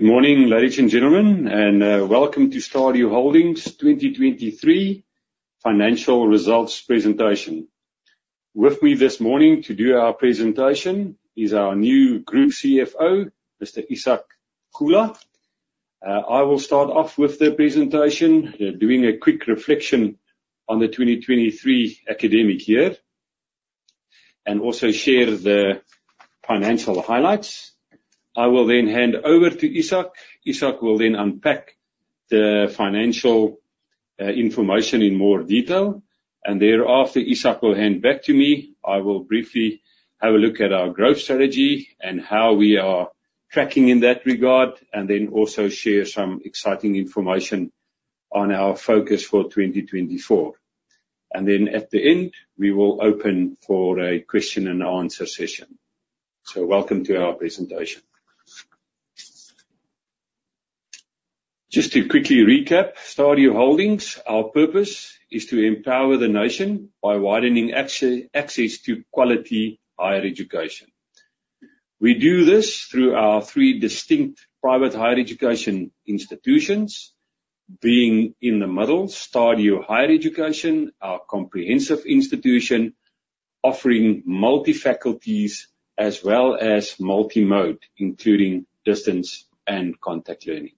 Good morning, ladies and gentlemen, and welcome to Stadio Holdings 2023 financial results presentation. With me this morning to do our presentation is our new group CFO, Mr. Ishak Kula. I will start off with the presentation, doing a quick reflection on the 2023 academic year, also share the financial highlights. I will hand over to Ishak. Ishak will unpack the financial information in more detail, thereafter, Ishak will hand back to me. I will briefly have a look at our growth strategy and how we are tracking in that regard, also share some exciting information on our focus for 2024. At the end, we will open for a question and answer session. Welcome to our presentation. Just to quickly recap, Stadio Holdings, our purpose is to empower the nation by widening access to quality higher education. We do this through our three distinct private higher education institutions. Being in the middle, Stadio Higher Education, our comprehensive institution offering multi-faculties as well as multi-mode, including distance learning and contact learning.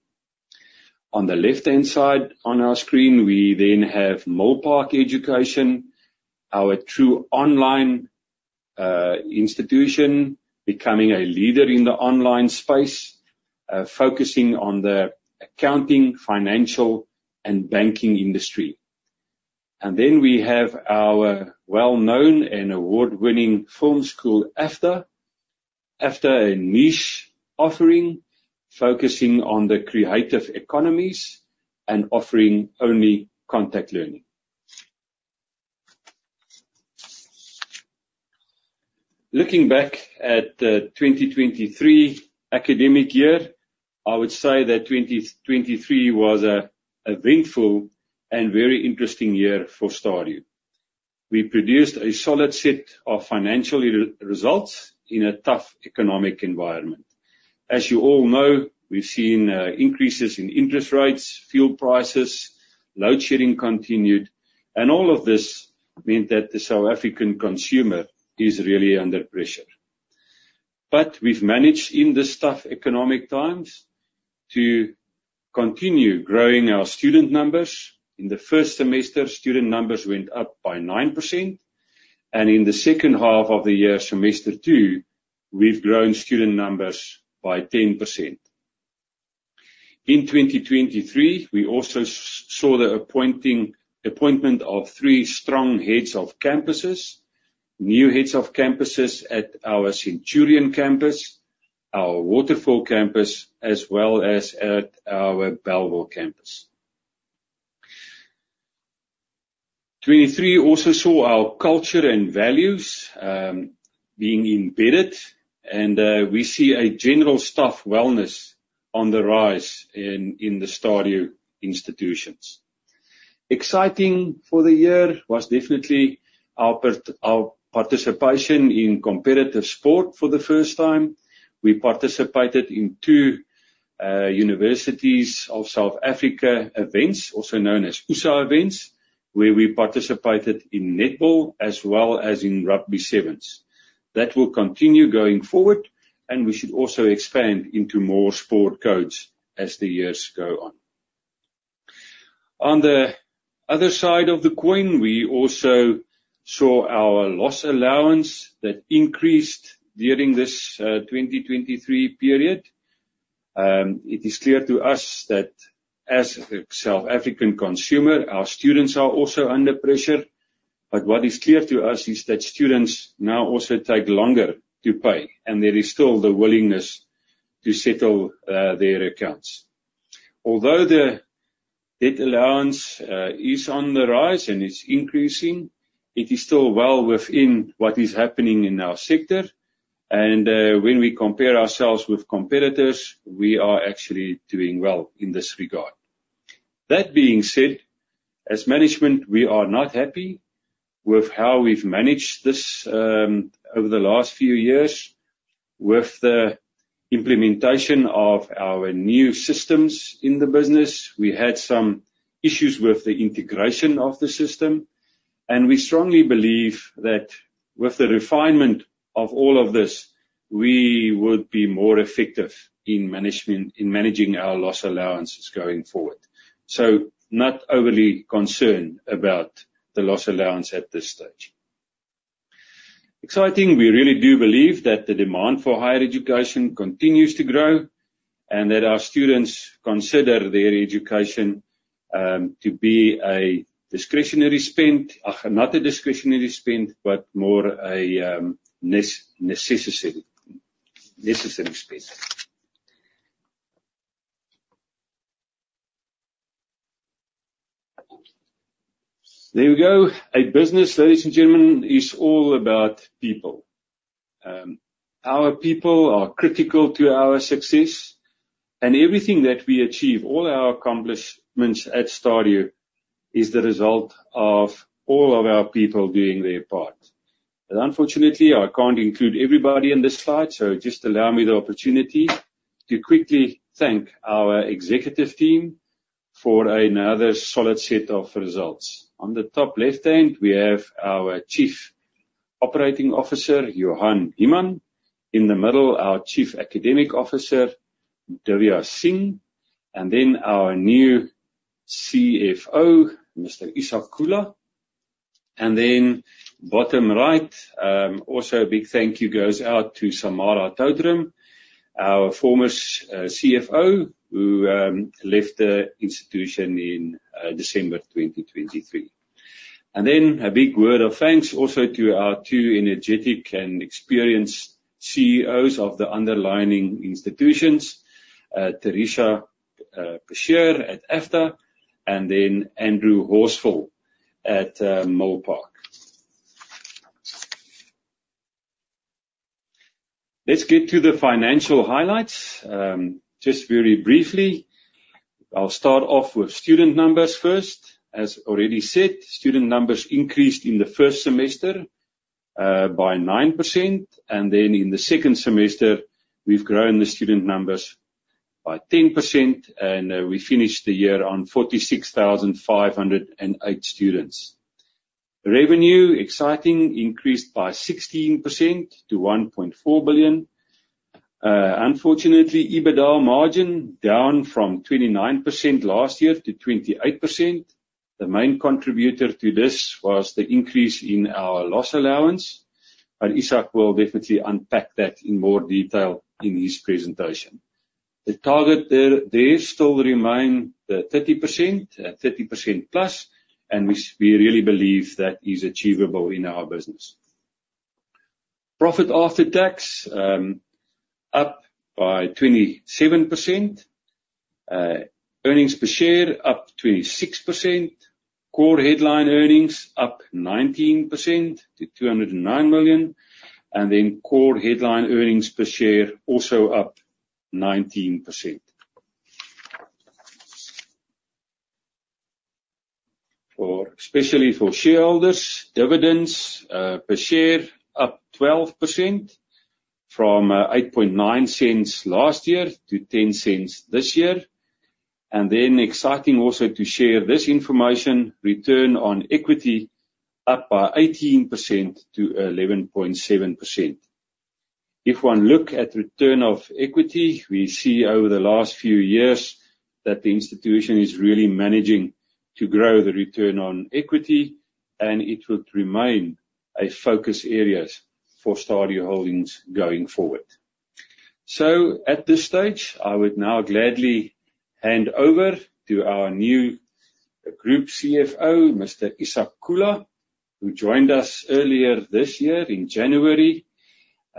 On the left-hand side on our screen, we have Milpark Education, our true online institution, becoming a leader in the online space, focusing on the accounting, financial, and banking industry. We have our well-known and award-winning film school, AFDA. AFDA, a niche offering focusing on the creative economies and offering only contact learning. Looking back at the 2023 academic year, I would say that 2023 was an eventful and very interesting year for Stadio. We produced a solid set of financial results in a tough economic environment. As you all know, we've seen increases in interest rates, fuel prices, load shedding continued, all of this meant that the South African consumer is really under pressure. We've managed in this tough economic times to continue growing our student numbers. In the first semester, student numbers went up by 9%, in the second half of the year, semester two, we've grown student numbers by 10%. In 2023, we also saw the appointment of three strong heads of campuses, new heads of campuses at our Centurion campus, our Waterfall campus, as well as at our Bellville campus. 2023 also saw our culture and values being embedded, we see a general staff wellness on the rise in the Stadio institutions. Exciting for the year was definitely our participation in competitive sport for the first time. We participated in two University Sport South Africa events, also known as USSA events, where we participated in netball as well as in rugby sevens. That will continue going forward, we should also expand into more sport codes as the years go on. On the other side of the coin, we also saw our loss allowance that increased during this 2023 period. It is clear to us that as a South African consumer, our students are also under pressure. What is clear to us is that students now also take longer to pay, there is still the willingness to settle their accounts. Although the debt allowance is on the rise, it's increasing, it is still well within what is happening in our sector. When we compare ourselves with competitors, we are actually doing well in this regard. That being said, as management, we are not happy with how we've managed this over the last few years. With the implementation of our new systems in the business, we had some issues with the integration of the system, and we strongly believe that with the refinement of all of this, we would be more effective in managing our loss allowances going forward. Not overly concerned about the loss allowance at this stage. Exciting, we really do believe that the demand for higher education continues to grow and that our students consider their education to be Not a discretionary spend, but more a necessary spend. There we go. A business, ladies and gentlemen, is all about people. Our people are critical to our success and everything that we achieve, all our accomplishments at Stadio is the result of all of our people doing their part. Unfortunately, I can't include everybody in this slide, just allow me the opportunity to quickly thank our executive team for another solid set of results. On the top left-hand, we have our Chief Operating Officer, Johann Human. In the middle, our Chief Academic Officer, Divya Singh. And then our new CFO, Mr. Ishak Kula. And then bottom right, also a big thank you goes out to Samara Totaram, our former CFO who left the institution in December 2023. And then a big word of thanks also to our two energetic and experienced CEOs of the underlining institutions, Teresa Passchier at AFDA, and then Andrew Horsfall at Milpark. Let's get to the financial highlights. Just very briefly, I'll start off with student numbers first. As already said, student numbers increased in the first semester by 9%, and then in the second semester, we've grown the student numbers by 10% and we finished the year on 46,508 students. Revenue, exciting, increased by 16% to 1.4 billion. Unfortunately, EBITDA margin down from 29% last year to 28%. The main contributor to this was the increase in our loss allowance. Ishak will definitely unpack that in more detail in his presentation. The target there still remain the 30%, 30% plus, and we really believe that is achievable in our business. Profit after tax, up by 27%. Earnings per share up 26%. Core headline earnings up 19% to 209 million, and then core headline earnings per share also up 19%. For especially for shareholders, dividends per share up 12% from 0.089 last year to 0.10 this year. Exciting also to share this information, return on equity up by 18% to 11.7%. If one look at return on equity, we see over the last few years that the institution is really managing to grow the return on equity, and it will remain a focus area for Stadio Holdings going forward. At this stage, I would now gladly hand over to our new group CFO, Mr. Ishak Kula, who joined us earlier this year in January.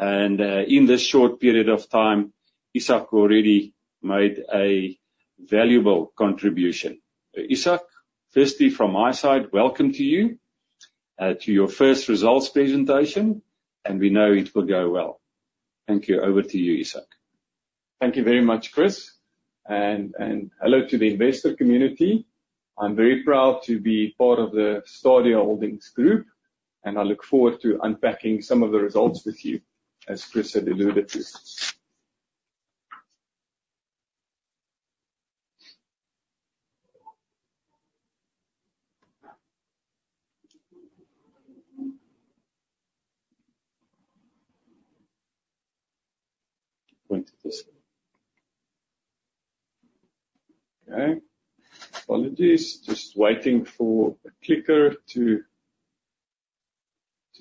In this short period of time, Ishak already made a valuable contribution. Ishak, firstly, from my side, welcome to you, to your first results presentation, and we know it will go well. Thank you. Over to you, Ishak. Thank you very much, Chris. Hello to the investor community. I'm very proud to be part of the Stadio Holdings group. I look forward to unpacking some of the results with you, as Chris had alluded to. Going to this Okay. Apologies. Just waiting for a clicker to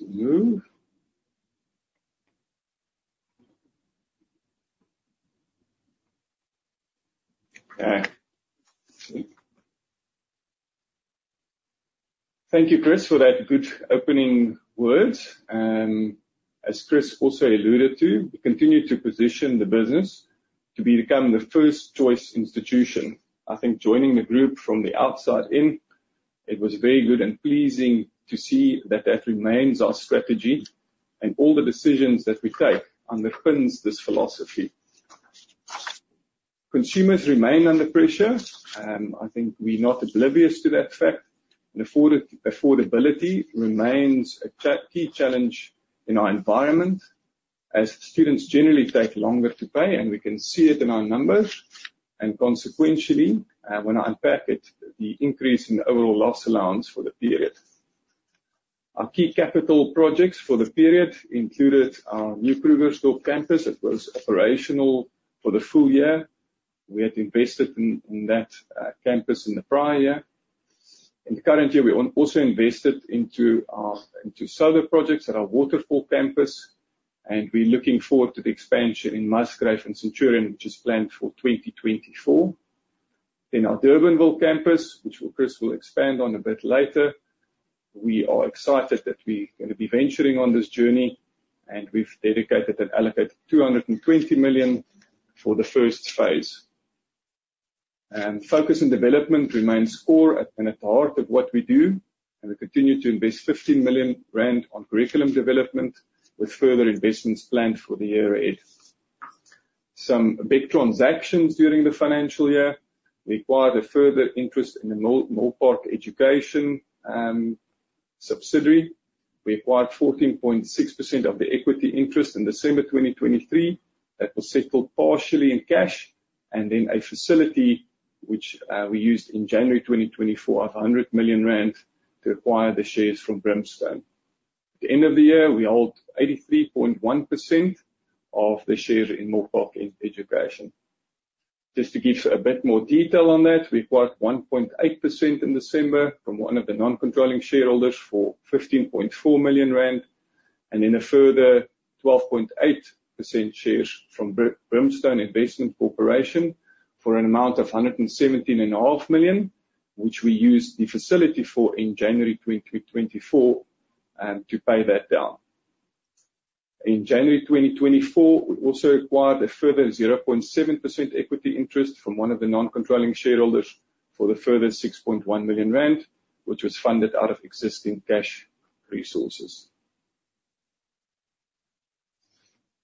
move. Okay. Thank you, Chris, for that good opening words. As Chris also alluded to, we continue to position the business to become the first-choice institution. I think joining the group from the outside in, it was very good and pleasing to see that that remains our strategy. All the decisions that we take underpins this philosophy. Consumers remain under pressure. I think we're not oblivious to that fact. Affordability remains a key challenge in our environment as students generally take longer to pay. We can see it in our numbers. Consequentially, when I unpack it, the increase in overall loss allowance for the period. Our key capital projects for the period included our new Krugersdorp campus. It was operational for the full year. We had invested in that campus in the prior year. In the current year, we also invested into solar projects at our Waterfall campus. We're looking forward to the expansion in Muiskraal and Centurion, which is planned for 2024. In our Durbanville campus, which Chris will expand on a bit later, we are excited that we're going to be venturing on this journey. We've dedicated and allocated 220 million for the first phase. Focus and development remains core and at the heart of what we do. We continue to invest 15 million rand on curriculum development with further investments planned for the year ahead. Some big transactions during the financial year. We acquired a further interest in the Milpark Education subsidiary. We acquired 14.6% of the equity interest in December 2023. That was settled partially in cash. In a facility which we used in January 2024 of 100 million rand to acquire the shares from Brimstone. At the end of the year, we held 83.1% of the shares in Milpark Education. Just to give a bit more detail on that, we acquired 1.8% in December from one of the non-controlling shareholders for 15.4 million rand. A further 12.8% shares from Brimstone Investment Corporation for an amount of 117.5 million, which we used the facility for in January 2024, to pay that down. In January 2024, we also acquired a further 0.7% equity interest from one of the non-controlling shareholders for the further 6.1 million rand, which was funded out of existing cash resources.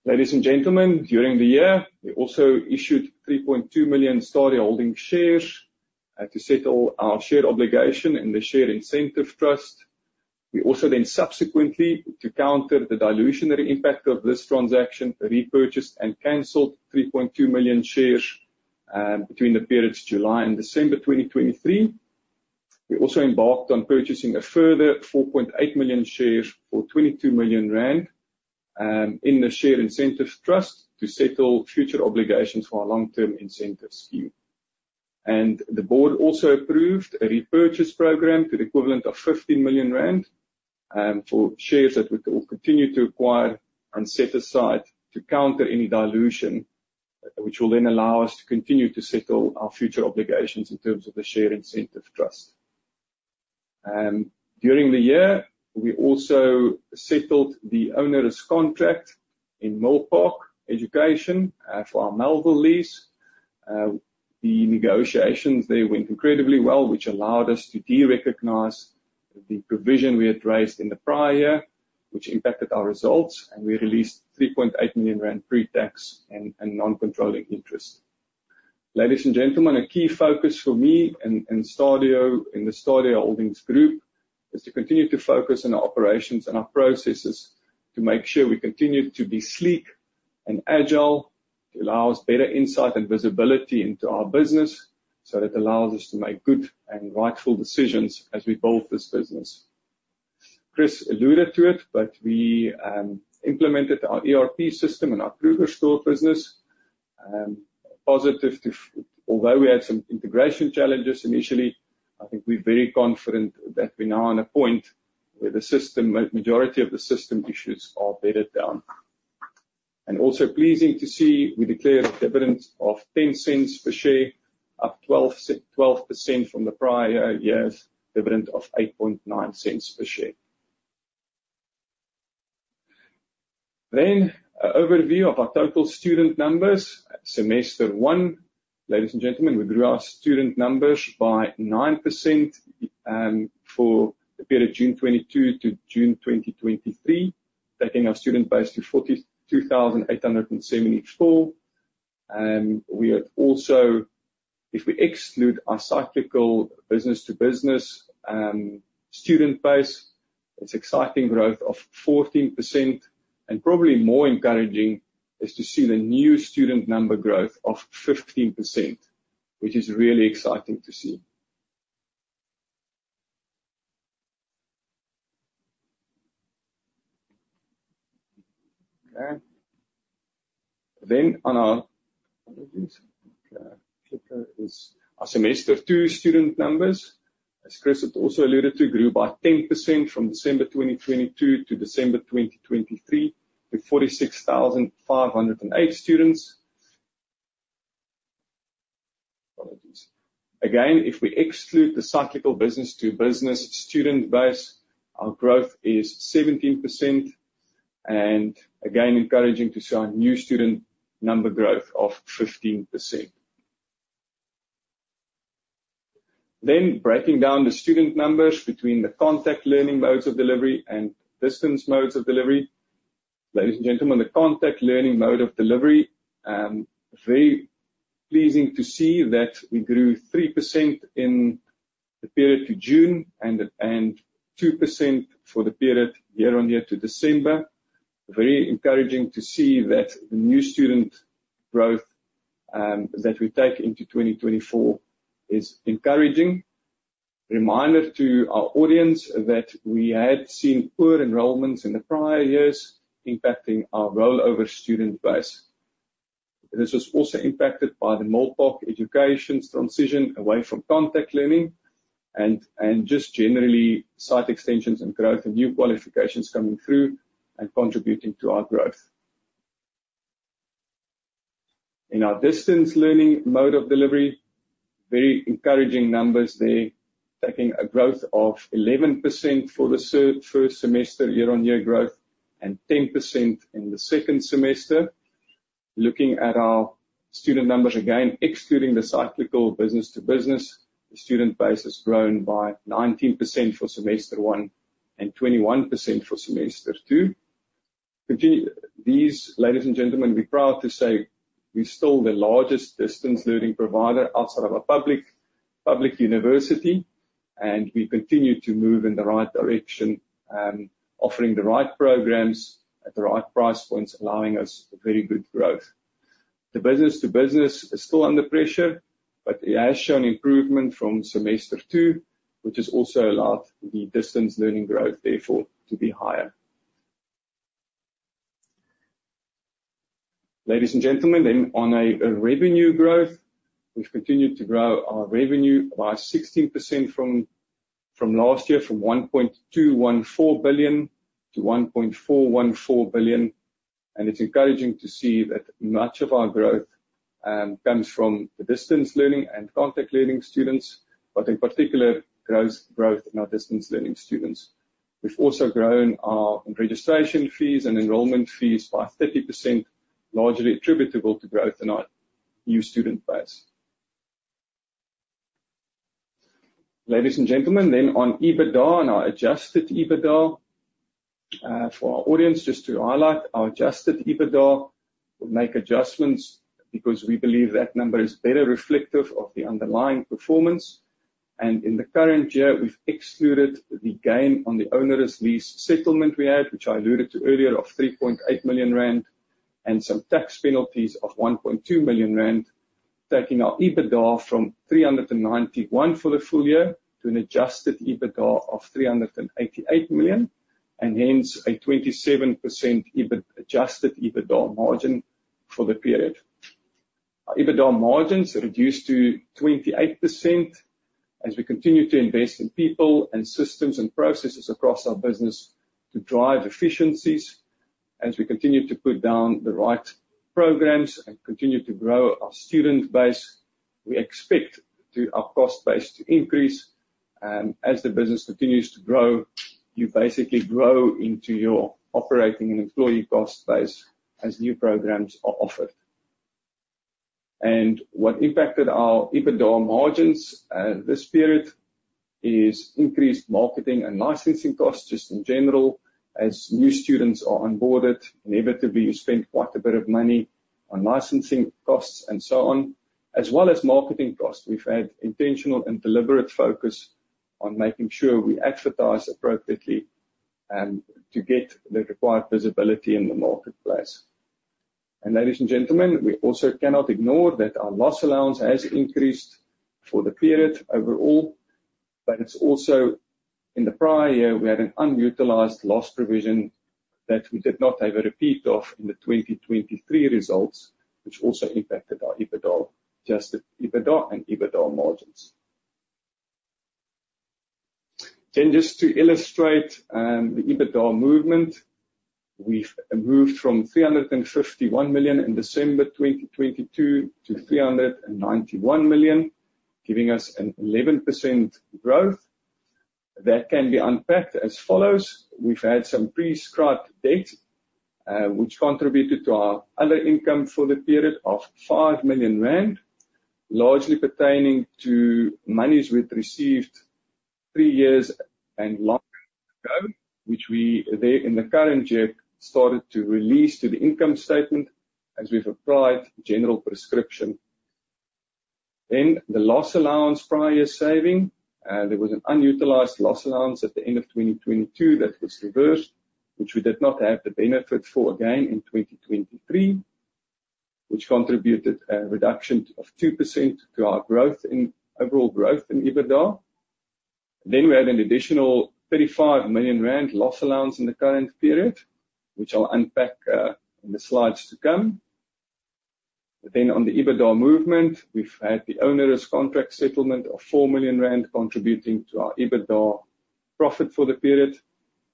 Ladies and gentlemen, during the year, we also issued 3.2 million Stadio Holdings shares, to settle our share obligation in the share incentive trust. We also subsequently, to counter the dilutionary impact of this transaction, repurchased and canceled 3.2 million shares between the periods July and December 2023. We also embarked on purchasing a further 4.8 million shares for 22 million rand in the share incentive trust to settle future obligations for our long-term incentive scheme. The board also approved a repurchase program to the equivalent of 15 million rand for shares that we will continue to acquire and set aside to counter any dilution, which will then allow us to continue to settle our future obligations in terms of the share incentive trust. During the year, we also settled the owner's contract in Milpark Education for our Melville lease. The negotiations there went incredibly well, which allowed us to de-recognize the provision we had raised in the prior year, which impacted our results, and we released 3.8 million rand pre-tax and non-controlling interest. Ladies and gentlemen, a key focus for me and Stadio in the Stadio Holdings group is to continue to focus on our operations and our processes to make sure we continue to be sleek and agile to allow us better insight and visibility into our business so that it allows us to make good and rightful decisions as we build this business. Chris alluded to it, but we implemented our ERP system in our Krugersdorp business. Positive, although we had some integration challenges initially, I think we're very confident that we're now at a point where the majority of the system issues are bedded down. Also pleasing to see, we declared a dividend of 0.10 per share, up 12% from the prior year's dividend of 0.089 per share. An overview of our total student numbers. Semester 1, ladies and gentlemen, we grew our student numbers by 9% for the period June 2022 to June 2023, taking our student base to 42,874. We have also, if we exclude our cyclical business-to-business student base, it's exciting growth of 14% and probably more encouraging is to see the new student number growth of 15%, which is really exciting to see. Okay. What are these? Okay. Clicker is Our semester 2 student numbers, as Chris had also alluded to, grew by 10% from December 2022 to December 2023 to 46,508 students. Apologies. Again, if we exclude the cyclical business-to-business student base, our growth is 17%. Again, encouraging to see our new student number growth of 15%. Breaking down the student numbers between the contact learning modes of delivery and distance modes of delivery. Ladies and gentlemen, the contact learning mode of delivery, very pleasing to see that we grew 3% in the period to June and 2% for the period year-on-year to December. Very encouraging to see that the new student growth that we take into 2024 is encouraging. Reminder to our audience that we had seen poor enrollments in the prior years impacting our rollover student base. This was also impacted by the Milpark Education's transition away from contact learning and just generally site extensions and growth and new qualifications coming through and contributing to our growth. In our distance learning mode of delivery, very encouraging numbers there, taking a growth of 11% for the first semester year-on-year growth and 10% in the second semester. Looking at our student numbers, again, excluding the cyclical business-to-business, the student base has grown by 19% for semester 1 and 21% for semester 2. These, ladies and gentlemen, we're proud to say we're still the largest distance learning provider outside of a public university, and we continue to move in the right direction, offering the right programs at the right price points, allowing us very good growth. The business-to-business is still under pressure, but it has shown improvement from semester 2, which has also allowed the distance learning growth therefore to be higher. Ladies and gentlemen, on a revenue growth, we've continued to grow our revenue by 16% from last year from 1.214 billion to 1.414 billion. It's encouraging to see that much of our growth comes from the distance learning and contact learning students, but in particular, growth in our distance learning students. We've also grown our registration fees and enrollment fees by 30%, largely attributable to growth in our new student base. Ladies and gentlemen, on EBITDA and our adjusted EBITDA. For our audience, just to highlight, our adjusted EBITDA, we make adjustments because we believe that number is better reflective of the underlying performance. In the current year, we've excluded the gain on the onerous lease settlement we had, which I alluded to earlier, of 3.8 million rand, and some tax penalties of 1.2 million rand, taking our EBITDA from 391 for the full year to an adjusted EBITDA of 388 million, and hence a 27% adjusted EBITDA margin for the period. Our EBITDA margins reduced to 28% as we continue to invest in people and systems and processes across our business to drive efficiencies. As we continue to put down the right programs and continue to grow our student base, we expect our cost base to increase. As the business continues to grow, you basically grow into your operating and employee cost base as new programs are offered. What impacted our EBITDA margins this period is increased marketing and licensing costs just in general as new students are onboarded. Inevitably, you spend quite a bit of money on licensing costs and so on, as well as marketing costs. We've had intentional and deliberate focus on making sure we advertise appropriately to get the required visibility in the marketplace. Ladies and gentlemen, we also cannot ignore that our loss allowance has increased for the period overall, but it's also in the prior year, we had an unutilized loss provision that we did not have a repeat of in the 2023 results, which also impacted our EBITDA, adjusted EBITDA and EBITDA margins. Just to illustrate the EBITDA movement, we've moved from 351 million in December 2022 to 391 million, giving us an 11% growth. That can be unpacked as follows. We've had some prescribed debt, which contributed to our other income for the period of 5 million rand, largely pertaining to monies we'd received three years and longer ago, which we there in the current year started to release to the income statement as we've applied general prescription. Then the loss allowance prior saving. There was an unutilized loss allowance at the end of 2022 that was reversed, which we did not have the benefit for again in 2023, which contributed a reduction of 2% to our growth in overall growth in EBITDA. We had an additional 35 million rand loss allowance in the current period, which I'll unpack, in the slides to come. On the EBITDA movement, we've had the onerous contract settlement of 4 million rand contributing to our EBITDA profit for the period,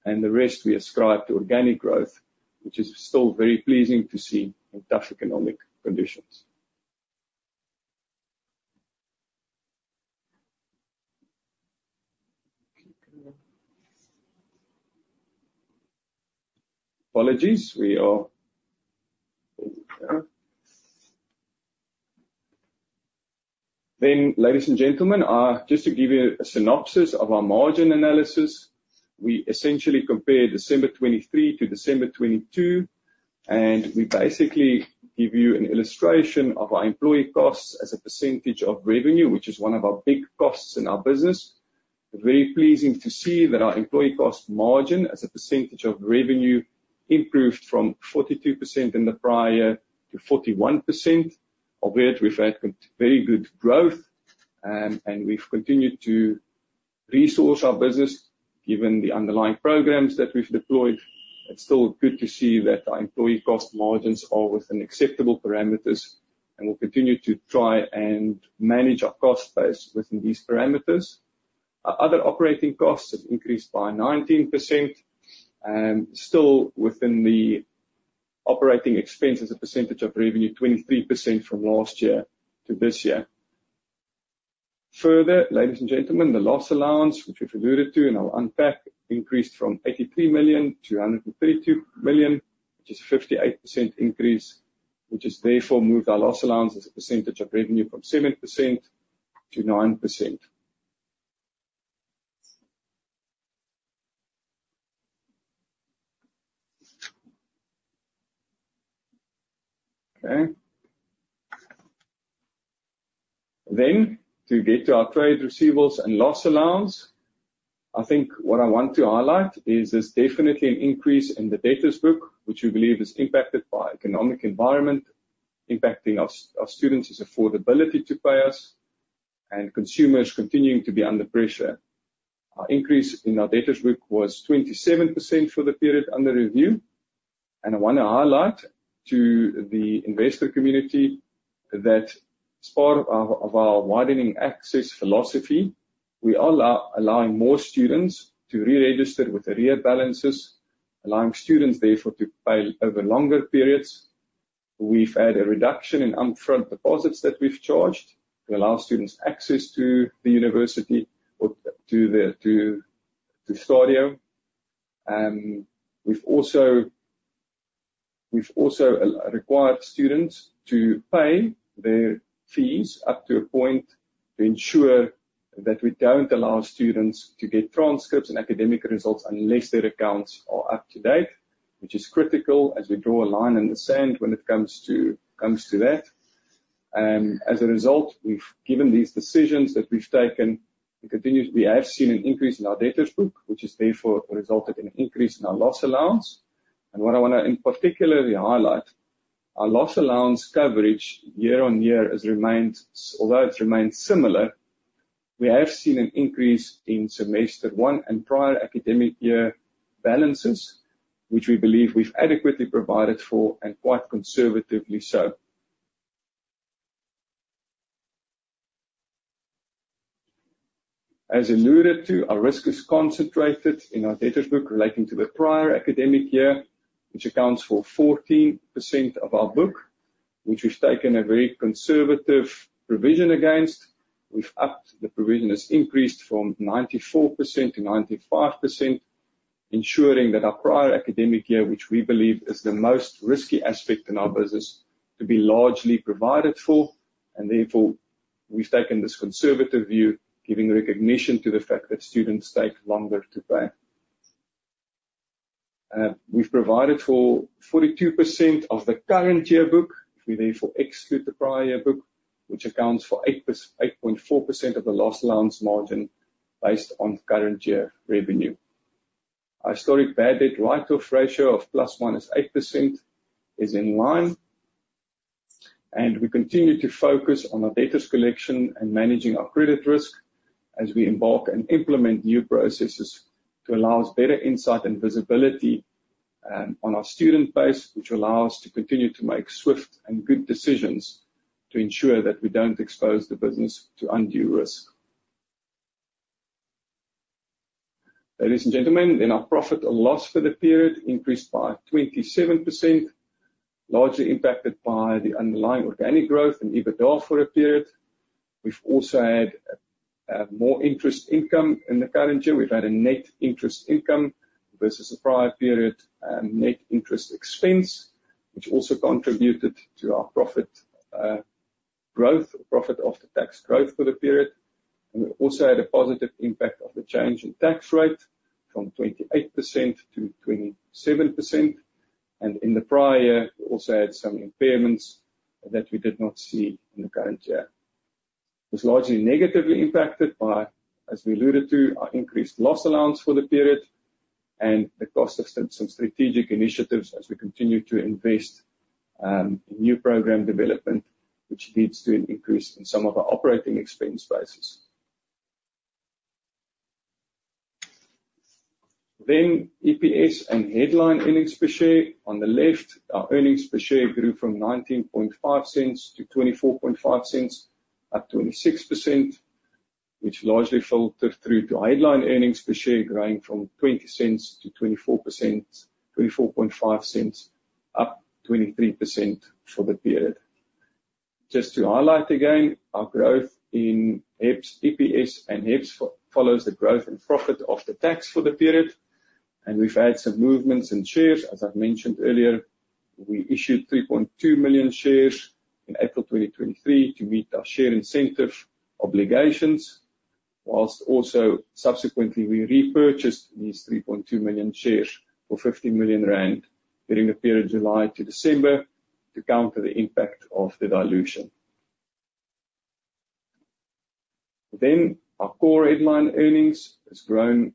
and the rest we ascribe to organic growth, which is still very pleasing to see in tough economic conditions. Apologies. There we go. Ladies and gentlemen, just to give you a synopsis of our margin analysis. We essentially compare December 2023 to December 2022. We basically give you an illustration of our employee costs as a percentage of revenue, which is one of our big costs in our business. Very pleasing to see that our employee cost margin as a percentage of revenue improved from 42% in the prior year to 41%, albeit we've had very good growth, and we've continued to resource our business given the underlying programs that we've deployed. It's still good to see that our employee cost margins are within acceptable parameters, and we'll continue to try and manage our cost base within these parameters. Our other operating costs have increased by 19%, still within the operating expense as a percentage of revenue, 23% from last year to this year. Further, ladies and gentlemen, the loss allowance, which we've alluded to and I'll unpack, increased from 83 million to 132 million, which is a 58% increase, which has therefore moved our loss allowance as a percentage of revenue from 7% to 9%. Okay. To get to our trade receivables and loss allowance, I think what I want to highlight is there's definitely an increase in the debtors book, which we believe is impacted by economic environment impacting our students' affordability to pay us and consumers continuing to be under pressure. Our increase in our debtors book was 27% for the period under review. I want to highlight to the investor community that as part of our widening access philosophy, we are allowing more students to re-register with arrear balances, allowing students therefore to pay over longer periods. We've had a reduction in upfront deposits that we've charged to allow students access to the university or to Stadio. We've also required students to pay their fees up to a point to ensure that we don't allow students to get transcripts and academic results unless their accounts are up to date, which is critical as we draw a line in the sand when it comes to that. As a result, we've given these decisions that we've taken, we have seen an increase in our debtors book, which has therefore resulted in an increase in our loss allowance. What I want to in particular highlight, our loss allowance coverage year on year, although it's remained similar, we have seen an increase in semester one and prior academic year balances, which we believe we've adequately provided for and quite conservatively so. As alluded to, our risk is concentrated in our debtors book relating to the prior academic year, which accounts for 14% of our book, which we've taken a very conservative provision against. We've upped, the provision has increased from 94% to 95%, ensuring that our prior academic year, which we believe is the most risky aspect in our business, to be largely provided for. Therefore, we've taken this conservative view, giving recognition to the fact that students take longer to pay. We've provided for 42% of the current year book. We therefore exclude the prior year book, which accounts for 8.4% of the loss allowance margin based on current year revenue. Our historic bad debt write-off ratio of ±8% is in line. We continue to focus on our debtors collection and managing our credit risk as we embark and implement new processes to allow us better insight and visibility on our student base, which allow us to continue to make swift and good decisions to ensure that we don't expose the business to undue risk. Ladies and gentlemen, our profit or loss for the period increased by 27%, largely impacted by the underlying organic growth in EBITDA for the period. We've also had more interest income in the current year. We've had a net interest income versus the prior period net interest expense, which also contributed to our profit after tax growth for the period. We also had a positive impact of the change in tax rate from 28% to 27%. In the prior year, we also had some impairments that we did not see in the current year. It was largely negatively impacted by, as we alluded to, our increased loss allowance for the period and the cost of some strategic initiatives as we continue to invest in new program development, which leads to an increase in some of our operating expense bases. EPS and headline earnings per share. On the left, our earnings per share grew from 0.1950 to 0.2450, up 26%, which largely filtered through to headline earnings per share growing from 0.20 to 0.2450, up 23% for the period. Just to highlight again, our growth in EPS and HEPS follows the growth in profit after tax for the period, we've had some movements in shares. As I've mentioned earlier, we issued 3.2 million shares in April 2023 to meet our share incentive obligations, whilst also subsequently we repurchased these 3.2 million shares for 15 million rand during the period July to December to counter the impact of the dilution. Our core headline earnings has grown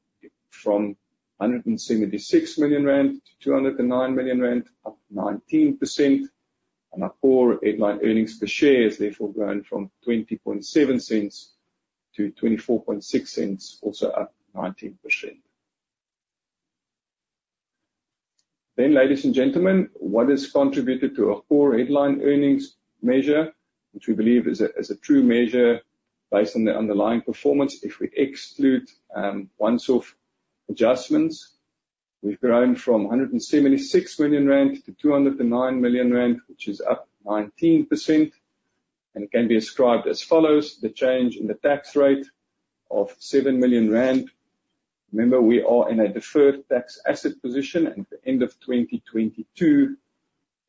from 176 million rand to 209 million rand, up 19%, and our core headline earnings per share has therefore grown from 0.2070 to 0.2460, also up 19%. Ladies and gentlemen, what has contributed to our core headline earnings measure, which we believe is a true measure based on the underlying performance. If we exclude once-off adjustments, we've grown from 176 million rand to 209 million rand, which is up 19%, and it can be ascribed as follows: the change in the tax rate of 7 million rand. Remember, we are in a deferred tax asset position at the end of 2022.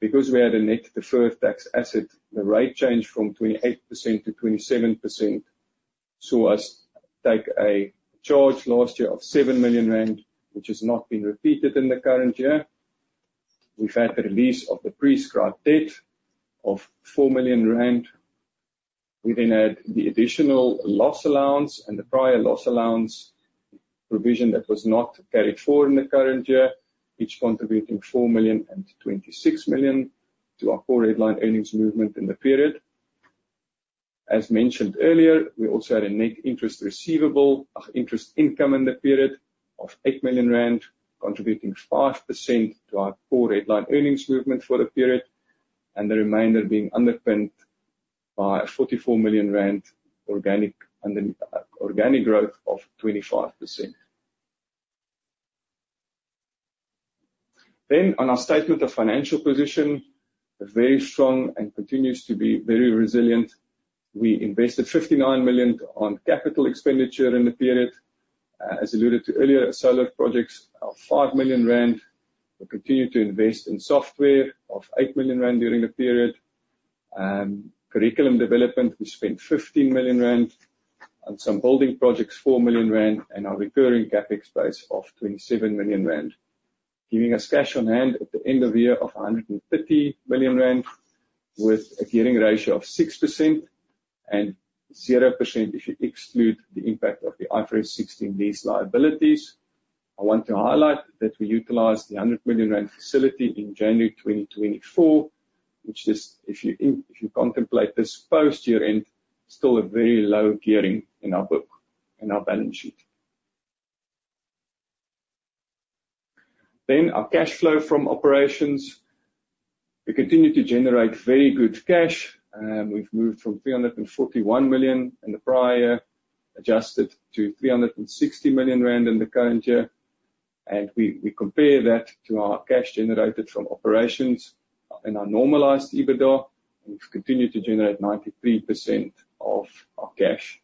Because we had a net deferred tax asset, the rate changed from 28% to 27%, saw us take a charge last year of 7 million rand, which has not been repeated in the current year. We've had the release of the prescribed debt of 4 million rand. We had the additional loss allowance and the prior loss allowance provision that was not carried forward in the current year, each contributing 4 million and 26 million to our core headline earnings movement in the period. As mentioned earlier, we also had a net interest receivable, interest income in the period of 8 million rand, contributing 5% to our core headline earnings movement for the period, the remainder being underpinned by a 44 million rand organic growth of 25%. On our statement of financial position, very strong and continues to be very resilient. We invested 59 million on capital expenditure in the period. As alluded to earlier, solar projects of 5 million rand. We continue to invest in software of 8 million rand during the period. Curriculum development, we spent 15 million rand, on some building projects, 4 million rand, and our recurring CapEx base of 27 million rand, giving us cash on hand at the end of the year of 130 million rand, with a gearing ratio of 6% and 0% if you exclude the impact of the IFRS 16 lease liabilities. I want to highlight that we utilized the 100 million rand facility in January 2024, which is, if you contemplate this post-year-end, still a very low gearing in our book, in our balance sheet. Our cash flow from operations. We continue to generate very good cash. We've moved from 341 million in the prior, adjusted to 360 million rand in the current year. We compare that to our cash generated from operations and our normalized EBITDA, and we've continued to generate 93% of our cash.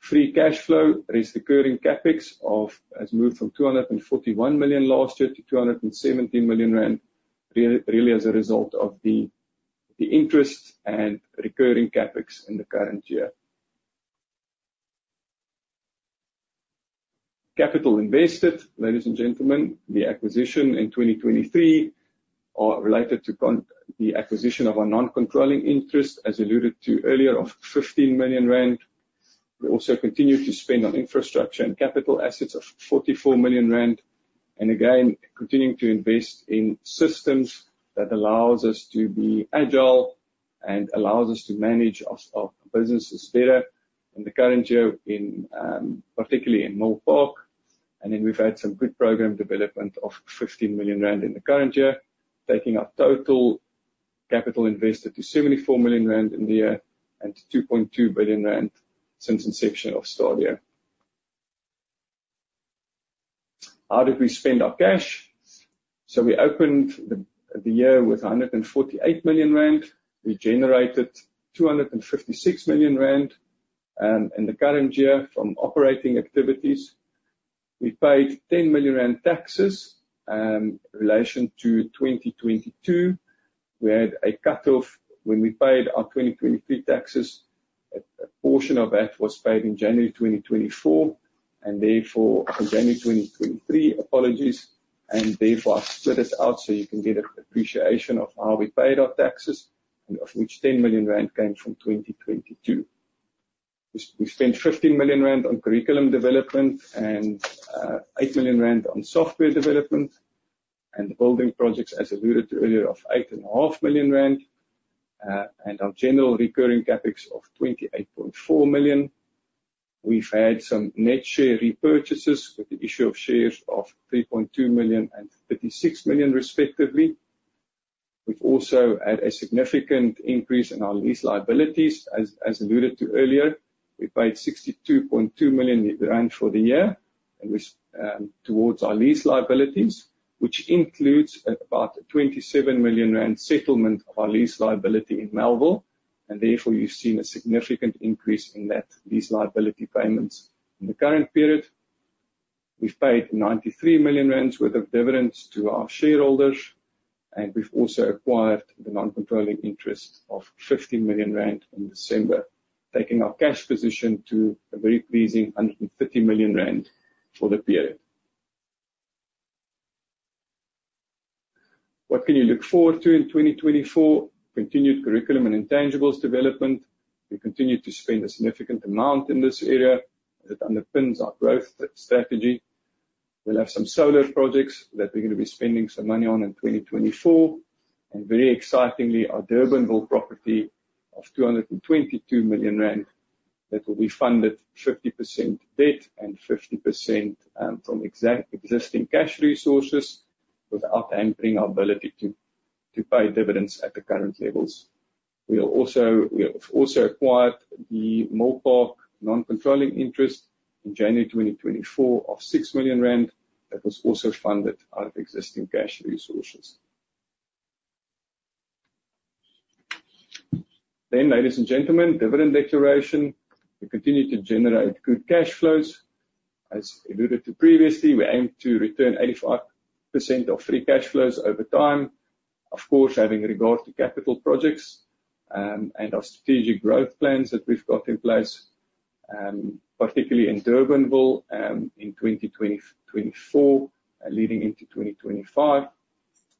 Free cash flow, there is recurring CapEx of, has moved from 241 million last year to 217 million rand, really as a result of the interest and recurring CapEx in the current year. Capital invested, ladies and gentlemen, the acquisition in 2023 are related to the acquisition of our non-controlling interest, as alluded to earlier, of 15 million rand. We also continue to spend on infrastructure and capital assets of 44 million rand, and again, continuing to invest in systems that allows us to be agile and allows us to manage our businesses better in the current year, particularly in Milpark. We've had some good program development of 15 million rand in the current year, taking our total capital invested to 74 million rand in the year and to 2.2 billion rand since inception of Stadio. How did we spend our cash? We opened the year with 148 million rand. We generated 256 million rand in the current year from operating activities. We paid 10 million rand taxes in relation to 2022. We had a cutoff when we paid our 2023 taxes. A portion of that was paid in January 2024, January 2023. Apologies. Therefore, I've split this out so you can get an appreciation of how we paid our taxes and of which 10 million rand came from 2022. We spent 15 million rand on curriculum development and 8 million rand on software development and building projects, as alluded to earlier, of eight and a half million rand, and our general recurring CapEx of 28.4 million. We've had some net share repurchases with the issue of shares of 3.2 million and 36 million respectively. We've also had a significant increase in our lease liabilities. As alluded to earlier, we paid 62.2 million rand for the year towards our lease liabilities, which includes about a 27 million rand settlement of our lease liability in Melville, and therefore you've seen a significant increase in that lease liability payments in the current period. We've paid 93 million rand worth of dividends to our shareholders, and we've also acquired the non-controlling interest of 50 million rand in December, taking our cash position to a very pleasing 130 million rand for the period. What can you look forward to in 2024? Continued curriculum and intangibles development. We continue to spend a significant amount in this area that underpins our growth strategy. We'll have some solar projects that we're going to be spending some money on in 2024. Very excitingly, our Durbanville property of 220 million rand that will be funded 50% debt and 50% from existing cash resources without hampering our ability to pay dividends at the current levels. We have also acquired the Milpark non-controlling interest in January 2024 of 6 million rand. That was also funded out of existing cash resources. Ladies and gentlemen, dividend declaration. We continue to generate good cash flows. As alluded to previously, we aim to return 85% of free cash flows over time, of course, having regard to capital projects, and our strategic growth plans that we've got in place, particularly in Durbanville, in 2024, leading into 2025.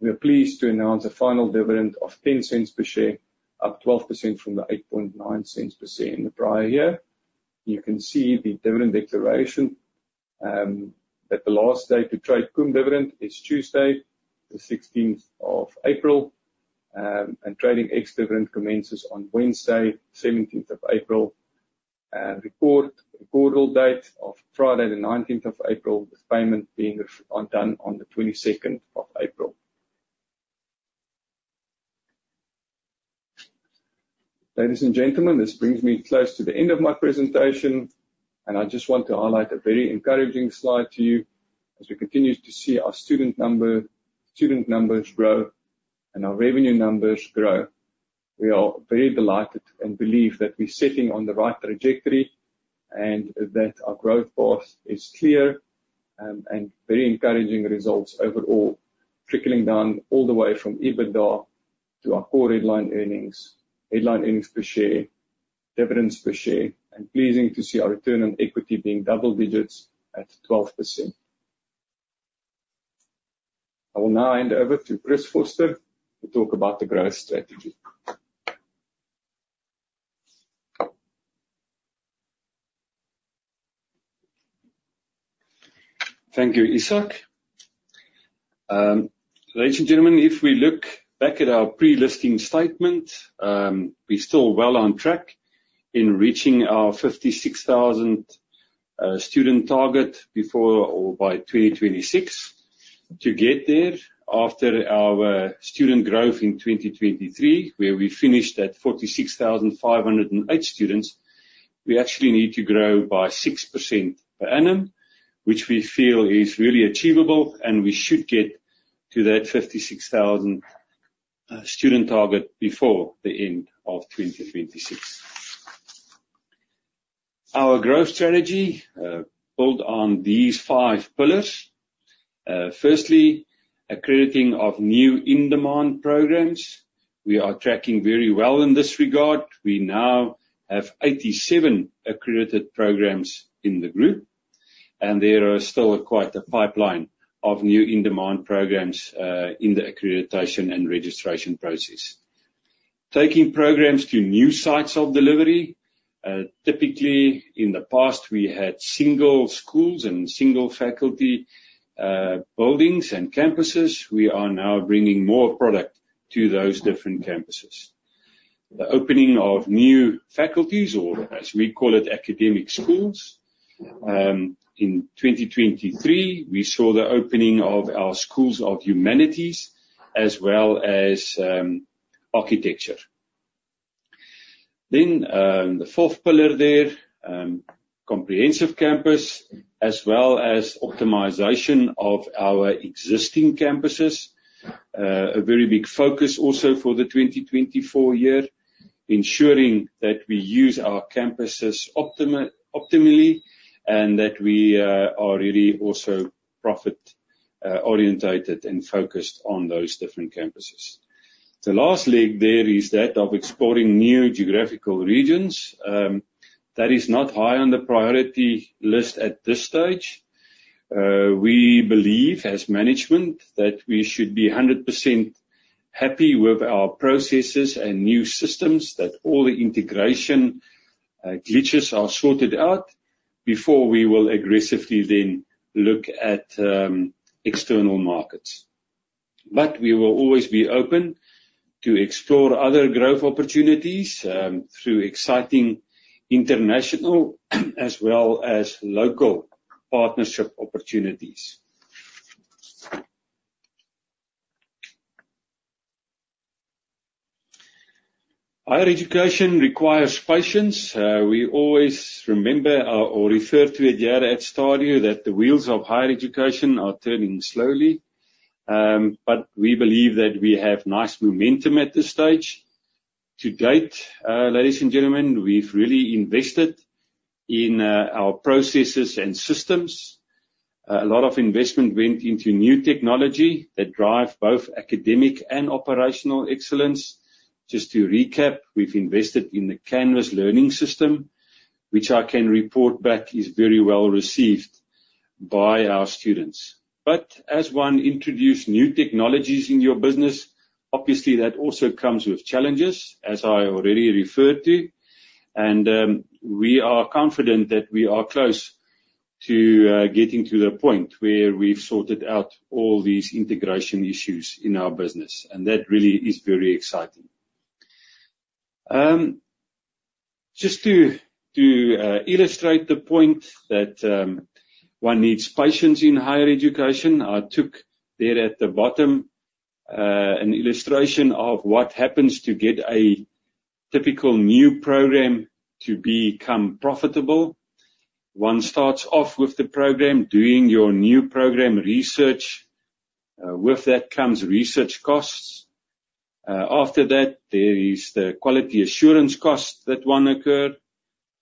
We are pleased to announce a final dividend of 0.10 per share, up 12% from the 0.089 per share in the prior year. You can see the dividend declaration, that the last day to trade cum dividend is Tuesday, the 16th of April. Trading ex-dividend commences on Wednesday, 17th of April. Record date of Friday, the 19th of April, with payment being done on the 22nd of April. Ladies and gentlemen, this brings me close to the end of my presentation. I just want to highlight a very encouraging slide to you. As we continue to see our student numbers grow and our revenue numbers grow. We are very delighted and believe that we're sitting on the right trajectory and that our growth path is clear, and very encouraging results overall, trickling down all the way from EBITDA to our core headline earnings, headline earnings per share, dividends per share. Pleasing to see our return on equity being double digits at 12%. I will now hand over to Chris Vorster to talk about the growth strategy. Thank you, Ishak. Ladies and gentlemen, if we look back at our pre-listing statement, we're still well on track in reaching our 56,000 student target before or by 2026. To get there after our student growth in 2023, where we finished at 46,508 students, we actually need to grow by 6% per annum, which we feel is really achievable, and we should get to that 56,000 student target before the end of 2026. Our growth strategy build on these five pillars. Firstly, accrediting of new in-demand programs. We are tracking very well in this regard. We now have 87 accredited programs in the group, and there are still quite a pipeline of new in-demand programs in the accreditation and registration process. Taking programs to new sites of delivery. Typically, in the past, we had single schools and single faculty buildings and campuses. We are now bringing more product to those different campuses. The opening of new faculties or, as we call it, academic schools. In 2023, we saw the opening of our schools of humanities as well as architecture. The fourth pillar there, comprehensive campus as well as optimization of our existing campuses. A very big focus also for the 2024 year, ensuring that we use our campuses optimally and that we are really also profit-orientated and focused on those different campuses. The last leg there is that of exploring new geographical regions. That is not high on the priority list at this stage. We believe, as management, that we should be 100% happy with our processes and new systems, that all the integration glitches are sorted out before we will aggressively then look at external markets. We will always be open to explore other growth opportunities through exciting international as well as local partnership opportunities. Higher education requires patience. We always remember or refer to it here at Stadio that the wheels of higher education are turning slowly. We believe that we have nice momentum at this stage. To date, ladies and gentlemen, we've really invested in our processes and systems. A lot of investment went into new technology that drive both academic and operational excellence. Just to recap, we've invested in the Canvas learning system, which I can report back is very well-received by our students. As one introduce new technologies in your business, obviously, that also comes with challenges, as I already referred to. We are confident that we are close to getting to the point where we've sorted out all these integration issues in our business, and that really is very exciting. Just to illustrate the point that one needs patience in higher education, I took there at the bottom, an illustration of what happens to get a typical new program to become profitable. One starts off with the program, doing your new program research. With that comes research costs. After that, there is the quality assurance cost that one occur.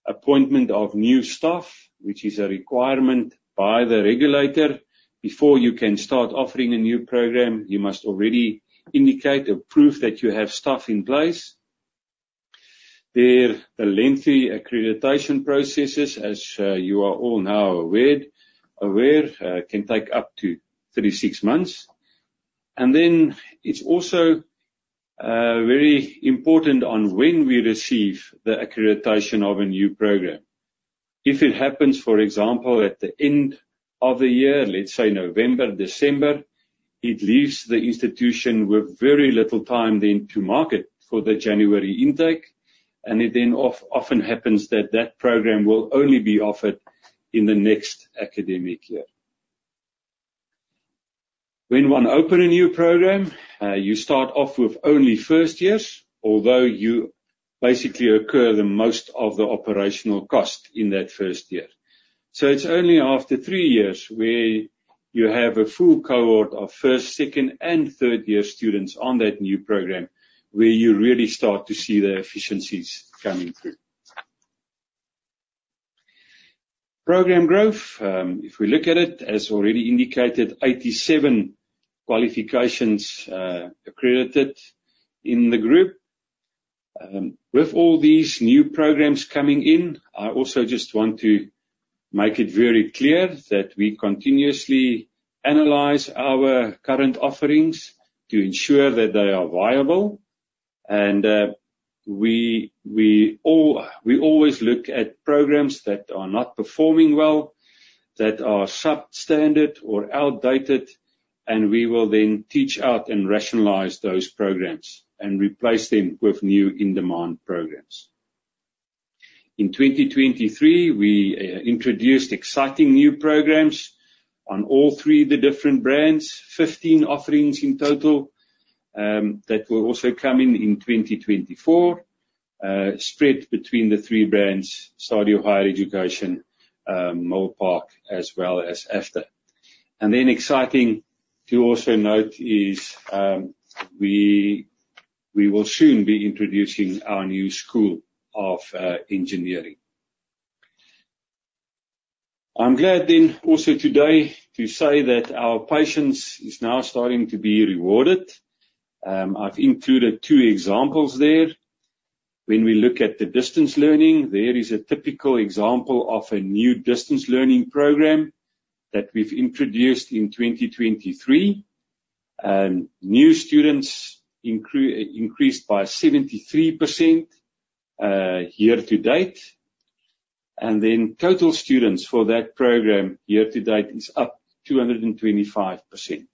Appointment of new staff, which is a requirement by the regulator. Before you can start offering a new program, you must already indicate or prove that you have staff in place. There, the lengthy accreditation processes, as you are all now aware, can take up to 36 months. It's also very important on when we receive the accreditation of a new program. If it happens, for example, at the end of the year, let's say November, December, it leaves the institution with very little time then to market for the January intake. It then often happens that that program will only be offered in the next academic year. When one open a new program, you start off with only first years, although you basically occur the most of the operational cost in that first year. It's only after three years where you have a full cohort of first, second and third year students on that new program, where you really start to see the efficiencies coming through. Program growth. If we look at it, as already indicated, 87 qualifications accredited in the group. With all these new programs coming in, I also just want to make it very clear that we continuously analyze our current offerings to ensure that they are viable. We always look at programs that are not performing well, that are substandard or outdated, and we will then teach out and rationalize those programs and replace them with new in-demand programs. In 2023, we introduced exciting new programs on all three of the different brands, 15 offerings in total, that will also come in in 2024, spread between the three brands, Stadio Higher Education, Milpark, as well as AFDA. Exciting to also note is we will soon be introducing our new School of Engineering. I'm glad then also today to say that our patience is now starting to be rewarded. I've included two examples there. When we look at the distance learning, there is a typical example of a new distance learning program that we've introduced in 2023. New students increased by 73% year to date. Total students for that program year to date is up 225%.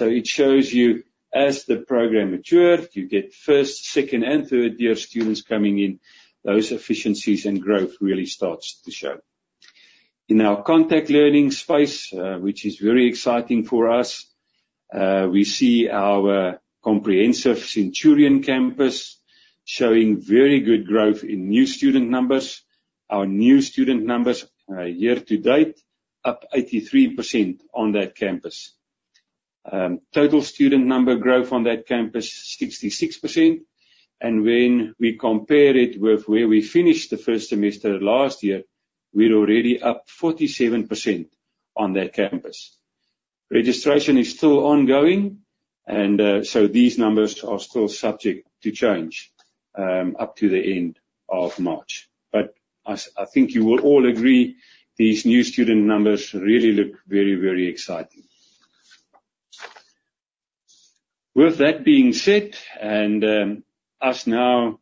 It shows you as the program matured, you get first, second and third year students coming in. Those efficiencies and growth really starts to show. In our contact learning space, which is very exciting for us, we see our comprehensive Centurion campus showing very good growth in new student numbers. Our new student numbers year to date up 83% on that campus. Total student number growth on that campus, 66%. When we compare it with where we finished the first semester last year, we're already up 47% on that campus. Registration is still ongoing, these numbers are still subject to change up to the end of March. I think you will all agree these new student numbers really look very exciting. With that being said, and us now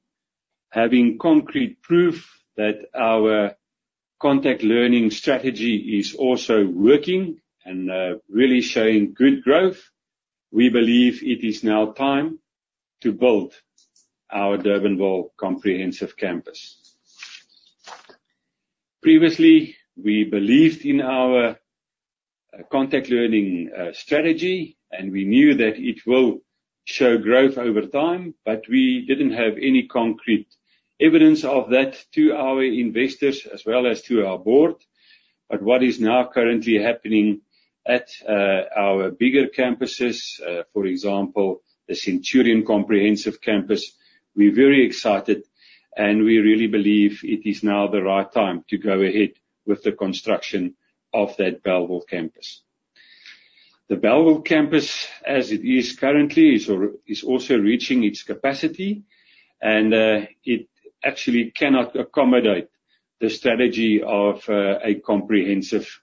having concrete proof that our contact learning strategy is also working and really showing good growth, we believe it is now time to build our Bellville comprehensive campus. Previously, we believed in our contact learning strategy, and we knew that it will show growth over time, but we didn't have any concrete evidence of that to our investors as well as to our board. What is now currently happening at our bigger campuses, for example, the Centurion comprehensive campus, we're very excited and we really believe it is now the right time to go ahead with the construction of that Bellville campus. The Bellville campus, as it is currently, is also reaching its capacity, and it actually cannot accommodate the strategy of a comprehensive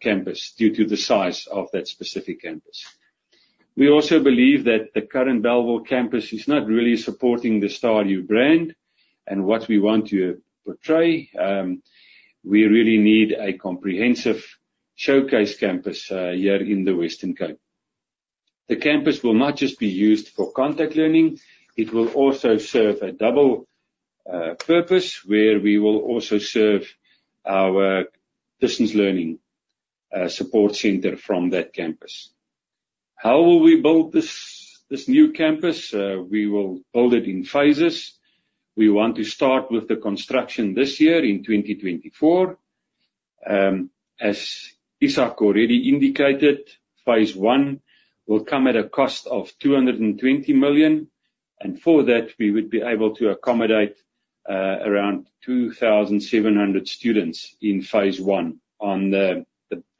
campus due to the size of that specific campus. We also believe that the current Bellville campus is not really supporting the Stadio brand and what we want to portray. We really need a comprehensive showcase campus here in the Western Cape. The campus will not just be used for contact learning. It will also serve a double purpose where we will also serve our distance learning support center from that campus. How will we build this new campus? We will build it in phases. We want to start with the construction this year in 2024. As Ishak already indicated, phase 1 will come at a cost of 220 million, and for that, we would be able to accommodate around 2,700 students in phase 1 on the